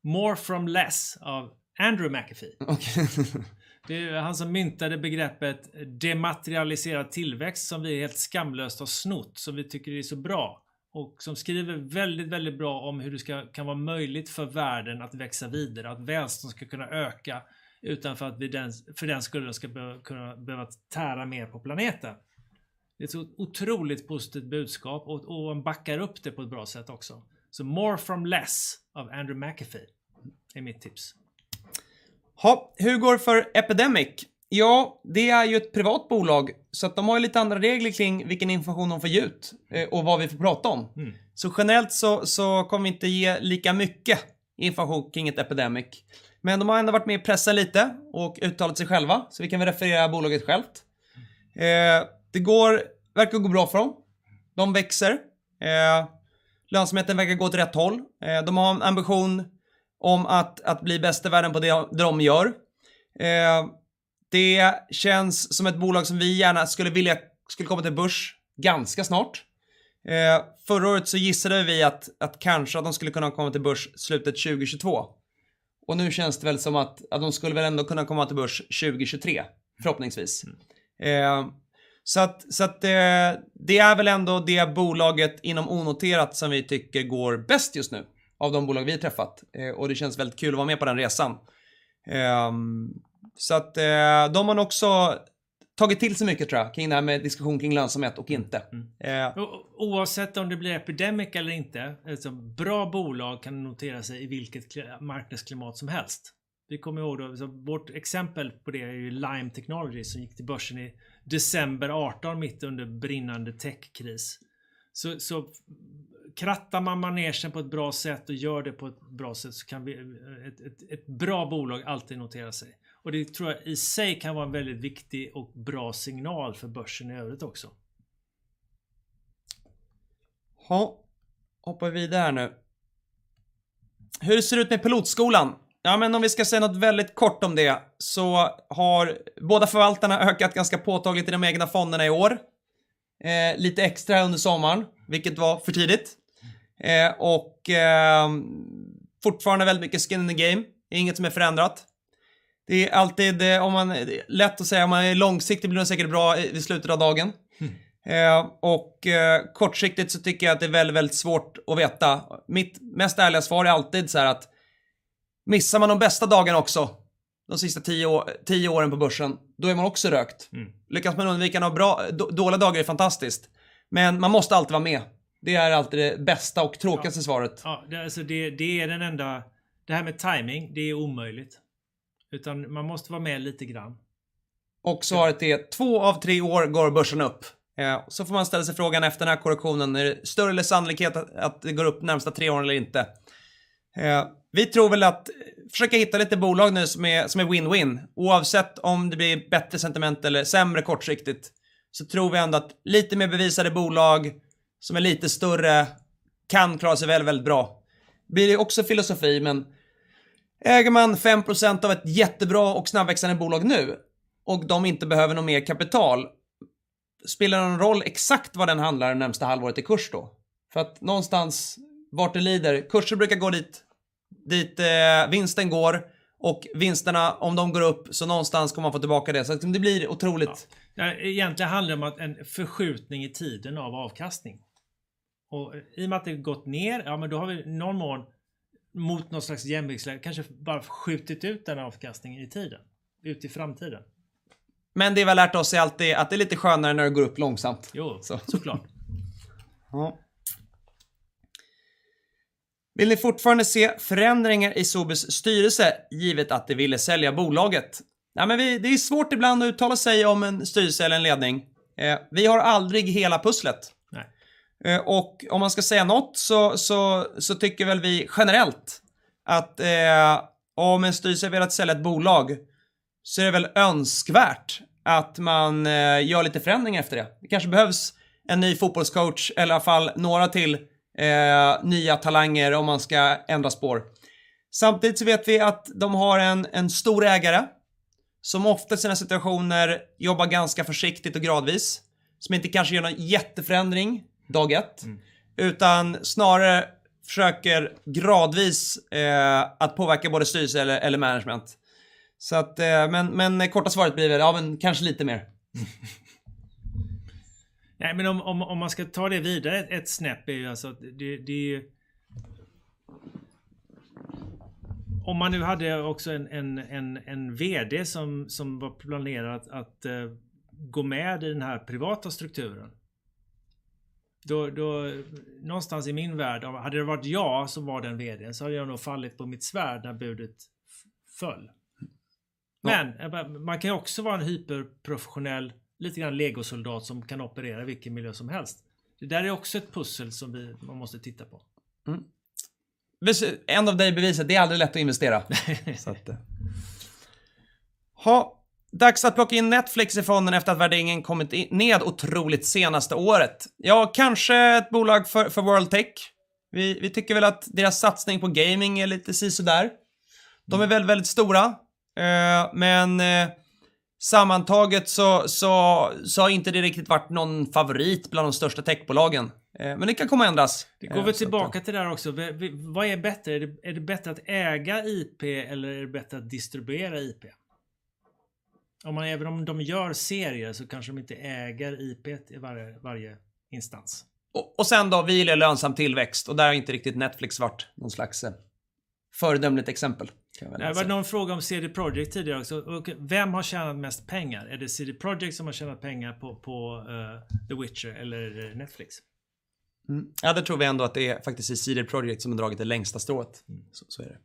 More from Less av Andrew McAfee. Okej Det är han som myntade begreppet dematerialiserad tillväxt som vi helt skamlöst har snott, som vi tycker är så bra och som skriver väldigt bra om hur det ska, kan vara möjligt för världen att växa vidare, att välstånd ska kunna öka utan att för den skull då ska behöva tära mer på planeten. Det är ett otroligt positivt budskap och han backar upp det på ett bra sätt också. More from Less av Andrew McAfee är mitt tips. Jaha, hur går det för Epidemic? Ja, det är ju ett privat bolag. De har ju lite andra regler kring vilken information de får ge ut och vad vi får prata om. Generellt kommer vi inte ge lika mycket information kring ett Epidemic. De har ändå varit med och pressat lite och uttalat sig själva. Vi kan väl referera bolaget självt. Det verkar gå bra för dem. De växer. Lönsamheten verkar gå åt rätt håll. De har en ambition om att bli bäst i världen på det de gör. Det känns som ett bolag som vi gärna skulle vilja komma till börs ganska snart. Förra året gissade vi att kanske de skulle kunna komma till börs slutet 2022. Nu känns det väl som att de skulle väl ändå kunna komma till börs 2023, förhoppningsvis. Så att det är väl ändå det bolaget inom onoterat som vi tycker går bäst just nu av de bolag vi träffat. Det känns väldigt kul att vara med på den resan. Så att de har man också tagit till sig mycket tror jag kring det här med diskussion kring lönsamhet och inte. Oavsett om det blir Epidemic eller inte, alltså bra bolag kan notera sig i vilket klimat marknadsklimat som helst. Vi kommer ihåg då, alltså vårt exempel på det är ju Lime Technologies som gick till börsen i December 2018 mitt under brinnande techkris. Krattar man manegen på ett bra sätt och gör det på ett bra sätt så kan ett bra bolag alltid notera sig. Det tror jag i sig kan vara en väldigt viktig och bra signal för börsen i övrigt också. Jaha, hoppar vidare här nu. Hur ser det ut med pilotskolan? Om vi ska säga något väldigt kort om det så har båda förvaltarna ökat ganska påtagligt i de egna fonderna i år. Lite extra under sommaren, vilket var för tidigt. Och fortfarande väldigt mycket skin in the game. Det är inget som är förändrat. Det är alltid lätt att säga om man är långsiktig blir det säkert bra i slutet av dagen. Kortsiktigt så tycker jag att det är väldigt svårt att veta. Mitt mest ärliga svar är alltid så här att missar man de bästa dagarna också de sista tio åren på börsen, då är man också rökt. Lyckas man undvika några bra, dåliga dagar är fantastiskt, men man måste alltid vara med. Det är alltid det bästa och tråkigaste svaret. Ja, alltså det är den enda. Det här med timing, det är omöjligt. Utan man måste vara med lite grann. Svaret är två av tre år går börsen upp. Får man ställa sig frågan efter den här korrigeringen, är det större sannolikhet att det går upp de närmaste tre åren eller inte? Vi tror väl att försöka hitta lite bolag nu som är win-win. Oavsett om det blir bättre sentiment eller sämre kortsiktigt så tror vi ändå att lite mer bevisade bolag som är lite större kan klara sig väldigt bra. Blir också filosofi, men äger man 5% av ett jättebra och snabbväxande bolag nu och de inte behöver något mer kapital, spelar det någon roll exakt vad den handlas för det närmsta halvåret i kurs då? För att någonstans var det leder, kurser brukar gå dit vinsten går och vinsterna, om de går upp så någonstans kommer man få tillbaka det. Det blir otroligt. Egentligen handlar det om att en förskjutning i tiden av avkastning. I och med att det gått ner, ja men då har vi i någon mån mot något slags jämviktsläge kanske bara skjutit ut den avkastningen i tiden, ut i framtiden. Det vi har lärt oss är alltid att det är lite skönare när det går upp långsamt. Jo, så klart. Ja. Vill ni fortfarande se förändringar i Sobis styrelse givet att de ville sälja bolaget? Ja, men vi, det är svårt ibland att uttala sig om en styrelse eller en ledning. Vi har aldrig hela pusslet. Nej. Om man ska säga något så tycker väl vi generellt att om en styrelse velat sälja ett bolag så är det väl önskvärt att man gör lite förändringar efter det. Det kanske behövs en ny fotbollscoach eller i alla fall några till nya talanger om man ska ändra spår. Samtidigt så vet vi att de har en stor ägare som ofta i sådana situationer jobbar ganska försiktigt och gradvis, som inte kanske gör någon jätteförändring dag ett, utan snarare försöker gradvis att påverka både styrelse eller management. Men korta svaret blir väl ja men kanske lite mer. Nej, om man ska ta det vidare ett snäpp är ju alltså att det är ju. Om man nu hade också en VD som var planerad att gå med i den här privata strukturen. Då någonstans i min värld, hade det varit jag som var den VD:n så hade jag nog fallit på mitt svärd när budet föll. Man kan också vara en hyperprofessionell, lite grann legosoldat som kan operera i vilken miljö som helst. Det där är också ett pussel som man måste titta på. En av de bevisen, det är aldrig lätt att investera. Jaha, dags att plocka in Netflix i fonden efter att värderingen kommit ned otroligt senaste året. Ja, kanske ett bolag för World Tech. Vi tycker väl att deras satsning på gaming är lite sisådär. De är väldigt stora. Men sammantaget så har inte det riktigt varit någon favorit bland de största techbolagen. Men det kan komma att ändras. Vi går väl tillbaka till det där också. Vad är bättre? Är det bättre att äga IP eller är det bättre att distribuera IP? Om man, även om de gör serier så kanske de inte äger IP:t i varje instans. Vi gillar lönsam tillväxt och där har inte riktigt Netflix varit någon slags föredömligt exempel kan jag väl säga. Det var någon fråga om CD Projekt tidigare också. Vem har tjänat mest pengar? Är det CD Projekt som har tjänat pengar på The Witcher eller Netflix? Ja, där tror vi ändå att det är faktiskt CD Projekt som har dragit det längsta strået. Är det.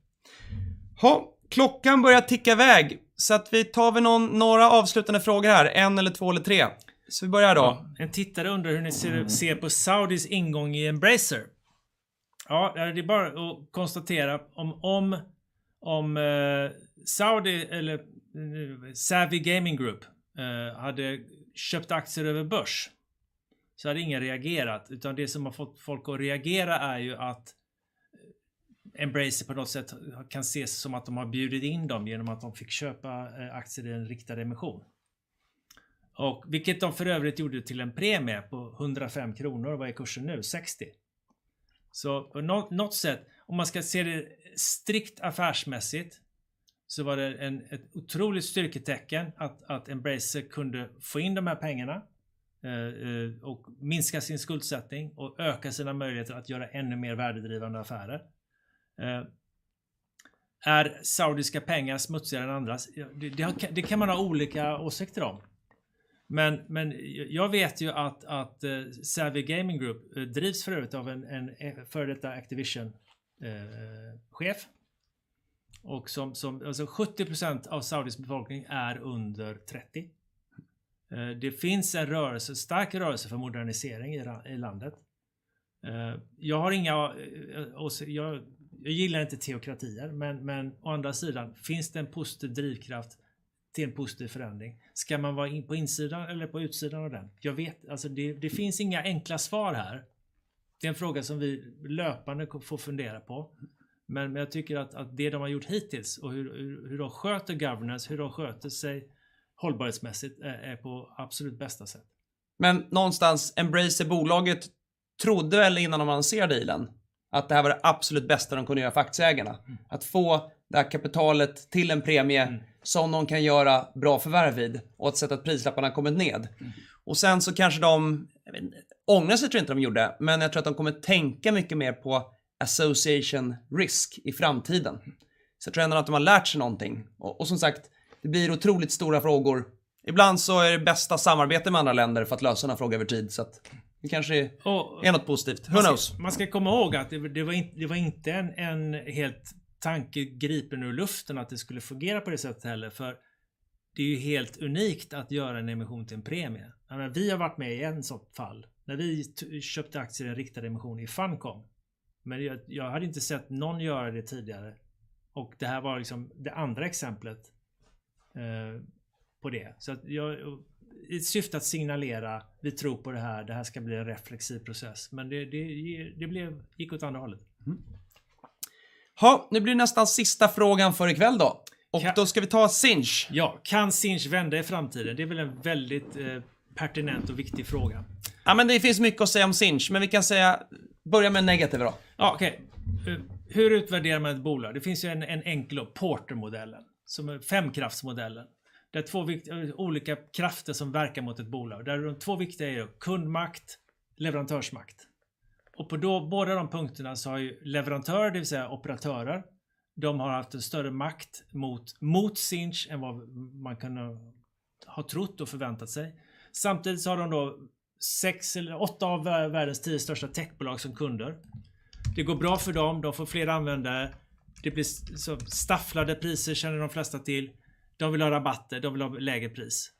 Jaha, klockan börjar ticka i väg. Att vi tar väl någon, några avslutande frågor här. En eller två eller tre. Vi börjar då. En tittare undrar hur ni ser på Saudis ingång i Embracer. Ja, det är bara att konstatera om Saudi eller Savvy Games Group hade köpt aktier över börsen så hade ingen reagerat. Det som har fått folk att reagera är ju att Embracer på något sätt kan ses som att de har bjudit in dem genom att de fick köpa aktier i en riktad emission. Vilket de för övrigt gjorde till en premie på 105 SEK. Vad är kursen nu? 60 SEK. På nåt sätt, om man ska se det strikt affärsmässigt, så var det ett otroligt styrketecken att Embracer kunde få in de här pengarna och minska sin skuldsättning och öka sina möjligheter att göra ännu mer värdedrivande affärer. Är saudiska pengar smutsigare än andras? Det kan man ha olika åsikter om. Jag vet ju att Savvy Games Group drivs för övrigt av en före detta Activision chef. Som 70% av Saudis befolkning är under 30. Det finns en stark rörelse för modernisering i landet. Jag gillar inte teokratier. Å andra sidan finns det en positiv drivkraft till en positiv förändring. Ska man vara på insidan eller på utsidan av den? Jag vet, alltså det finns inga enkla svar här. Det är en fråga som vi löpande får fundera på. Jag tycker att det de har gjort hittills och hur de sköter governance, hur de sköter sig hållbarhetsmässigt är på absolut bästa sätt. Någonstans Embracer, bolaget trodde väl innan de annonserade dealen att det här var det absolut bästa de kunde göra för aktieägarna. Att få det här kapitalet till en premie som de kan göra bra förvärv vid och ett sätt att prislapparna har kommit ned. Sen så kanske de, jag vet inte, ångrade sig tror jag inte de gjorde, men jag tror att de kommer tänka mycket mer på association risk i framtiden. Jag tror ändå att de har lärt sig någonting. Som sagt, det blir otroligt stora frågor. Ibland så är det bästa samarbete med andra länder för att lösa den här frågan över tid. Det kanske är något positivt. Who knows? Man ska komma ihåg att det var inte en helt tanke gripen ur luften att det skulle fungera på det sättet heller. För det är ju helt unikt att göra en emission till en premie. Vi har varit med i ett sånt fall när vi köpte aktier i en riktad emission i Funcom. Men jag hade inte sett någon göra det tidigare och det här var liksom det andra exemplet på det. Så att i ett syfte att signalera, vi tror på det här, det här ska bli en reflexiv process. Men det blev, gick åt andra hållet. Jaha, nu blir det nästan sista frågan för i kväll då. Ska vi ta Sinch. Ja, kan Sinch vända i framtiden? Det är väl en väldigt pertinent och viktig fråga. Ja, men det finns mycket att säga om Sinch, men vi kan säga, börja med negativt då. Okej. Hur utvärderar man ett bolag? Det finns ju en enkel Porter-modellen som är femkraftsmodellen. Det är två viktiga, olika krafter som verkar mot ett bolag. Där de två viktiga är ju kundmakt, leverantörsmakt. På båda de punkterna så har ju leverantörer, det vill säga operatörer, de har haft en större makt mot Sinch än vad man kunde ha trott och förväntat sig. Samtidigt så har de då 6 eller 8 av världens 10 största techbolag som kunder. Det går bra för dem, de får fler användare. Det blir så staffelpriser känner de flesta till. De vill ha rabatter, de vill ha lägre pris.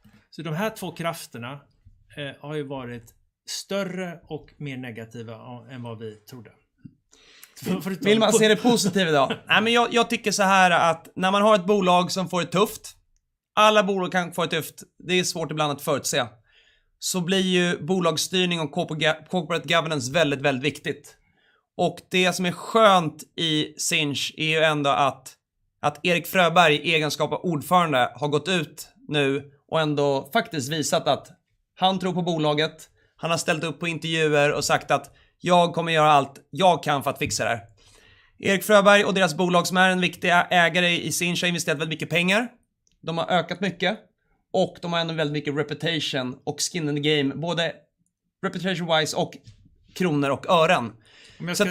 De här två krafterna har ju varit större och mer negativa, än vad vi trodde. Vill man se det positiva då? Nej, men jag tycker såhär att när man har ett bolag som får det tufft, alla bolag kan få det tufft. Det är svårt ibland att förutse. Blir ju bolagsstyrning och corporate governance väldigt viktigt. Det som är skönt i Sinch är ju ändå att Erik Fröberg i egenskap av ordförande har gått ut nu och ändå faktiskt visat att han tror på bolaget. Han har ställt upp på intervjuer och sagt att jag kommer göra allt jag kan för att fixa det här. Erik Fröberg och deras bolag, som är en viktig ägare i Sinch, har investerat väldigt mycket pengar. De har ökat mycket och de har ändå väldigt mycket reputation och skin in the game, både reputation wise och kronor och ören.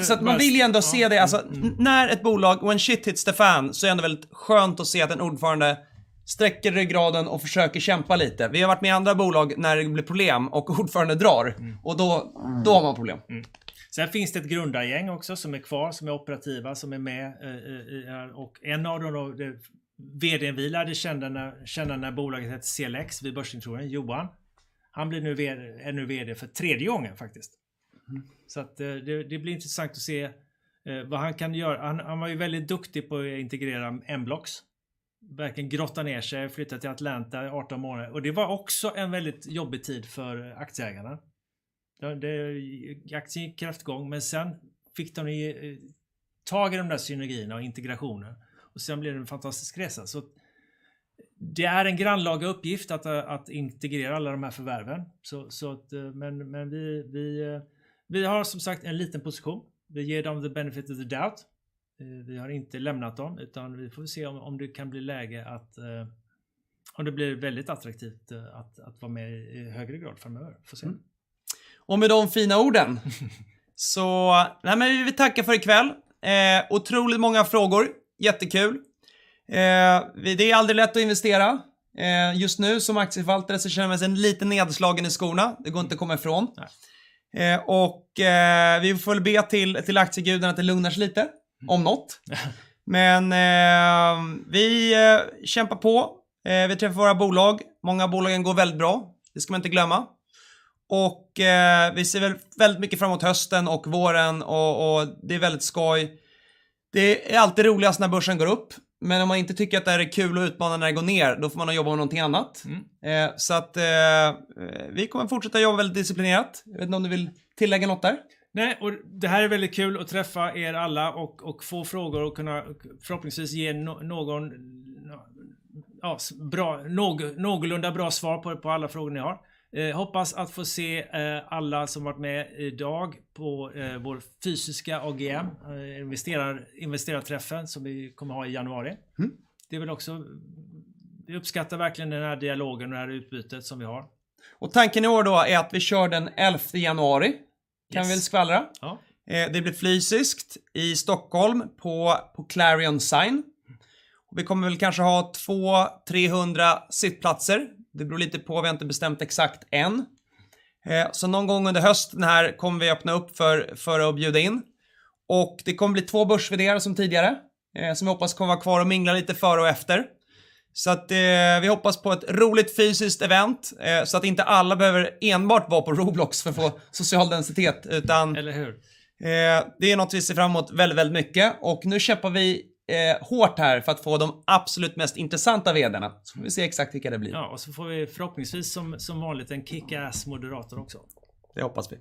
Att man vill ju ändå se det. Alltså när ett bolag, when shit hits the fan, så är det väldigt skönt att se att en ordförande sträcker ryggraden och försöker kämpa lite. Vi har varit med i andra bolag när det blir problem och ordförande drar och då har man problem. Finns det ett grundargäng också som är kvar, som är operativa, som är med i och en av dem då, VD:n vi lärde känna när bolaget hette CLX vid börsintroduktionen, Johan. Han är nu VD för tredje gången faktiskt. Det blir intressant att se vad han kan göra. Han var ju väldigt duktig på att integrera Mblox, verkligen grotta ner sig, flytta till Atlanta i 18 månader. Det var också en väldigt jobbig tid för aktieägarna. Ja, aktien gick kraftigt ner, men sen fick de ju tag i de där synergierna och integrationen och sen blev det en fantastisk resa. Det är en grannlaga uppgift att integrera alla de här förvärven. Men vi har som sagt en liten position. Vi ger dem the benefit of the doubt. Vi har inte lämnat dem, utan vi får väl se om det blir väldigt attraktivt att vara med i högre grad framöver. Får se. Med de fina orden så, nej men vi tackar för ikväll. Otroligt många frågor, jättekul. Det är aldrig lätt att investera. Just nu som aktieförvaltare så känner jag mig en liten nedslagen i skorna. Det går inte att komma ifrån. Vi får väl be till aktiegudarna att det lugnar sig lite om något. Men vi kämpar på. Vi träffar våra bolag. Många av bolagen går väldigt bra. Det ska man inte glömma. Vi ser väl väldigt mycket fram emot hösten och våren och det är väldigt skoj. Det är alltid roligast när börsen går upp, men om man inte tycker att det här är kul och utmanande när det går ner, då får man jobba med någonting annat. Så att vi kommer att fortsätta jobba väldigt disciplinerat. Jag vet inte om du vill tillägga något där? Nej, och det här är väldigt kul att träffa er alla och få frågor och kunna förhoppningsvis ge någon, ja, bra, någorlunda bra svar på alla frågor ni har. Hoppas att få se alla som varit med i dag på vår fysiska AGM, investerarträffen som vi kommer att ha i januari. Det är väl också, vi uppskattar verkligen den här dialogen och det här utbytet som vi har. Tanken i år då är att vi kör den elfte januari. Kan vi väl skvallra. Det blir fysiskt i Stockholm på Clarion Sign. Vi kommer väl kanske ha 2-300 sittplatser. Det beror lite på, vi har inte bestämt exakt än. Så någon gång under hösten här kommer vi öppna upp för att bjuda in. Det kommer bli två börs-VD:ar som tidigare som vi hoppas kommer vara kvar och mingla lite före och efter. Så att vi hoppas på ett roligt fysiskt event så att inte alla behöver enbart vara på Roblox för att få social densitet, utan- Eller hur? Det är något vi ser fram emot väldigt mycket och nu köper vi hårt här för att få de absolut mest intressanta VD:arna. Får vi se exakt vilka det blir. Ja, och så får vi förhoppningsvis som vanligt en kick ass moderator också. Det hoppas vi.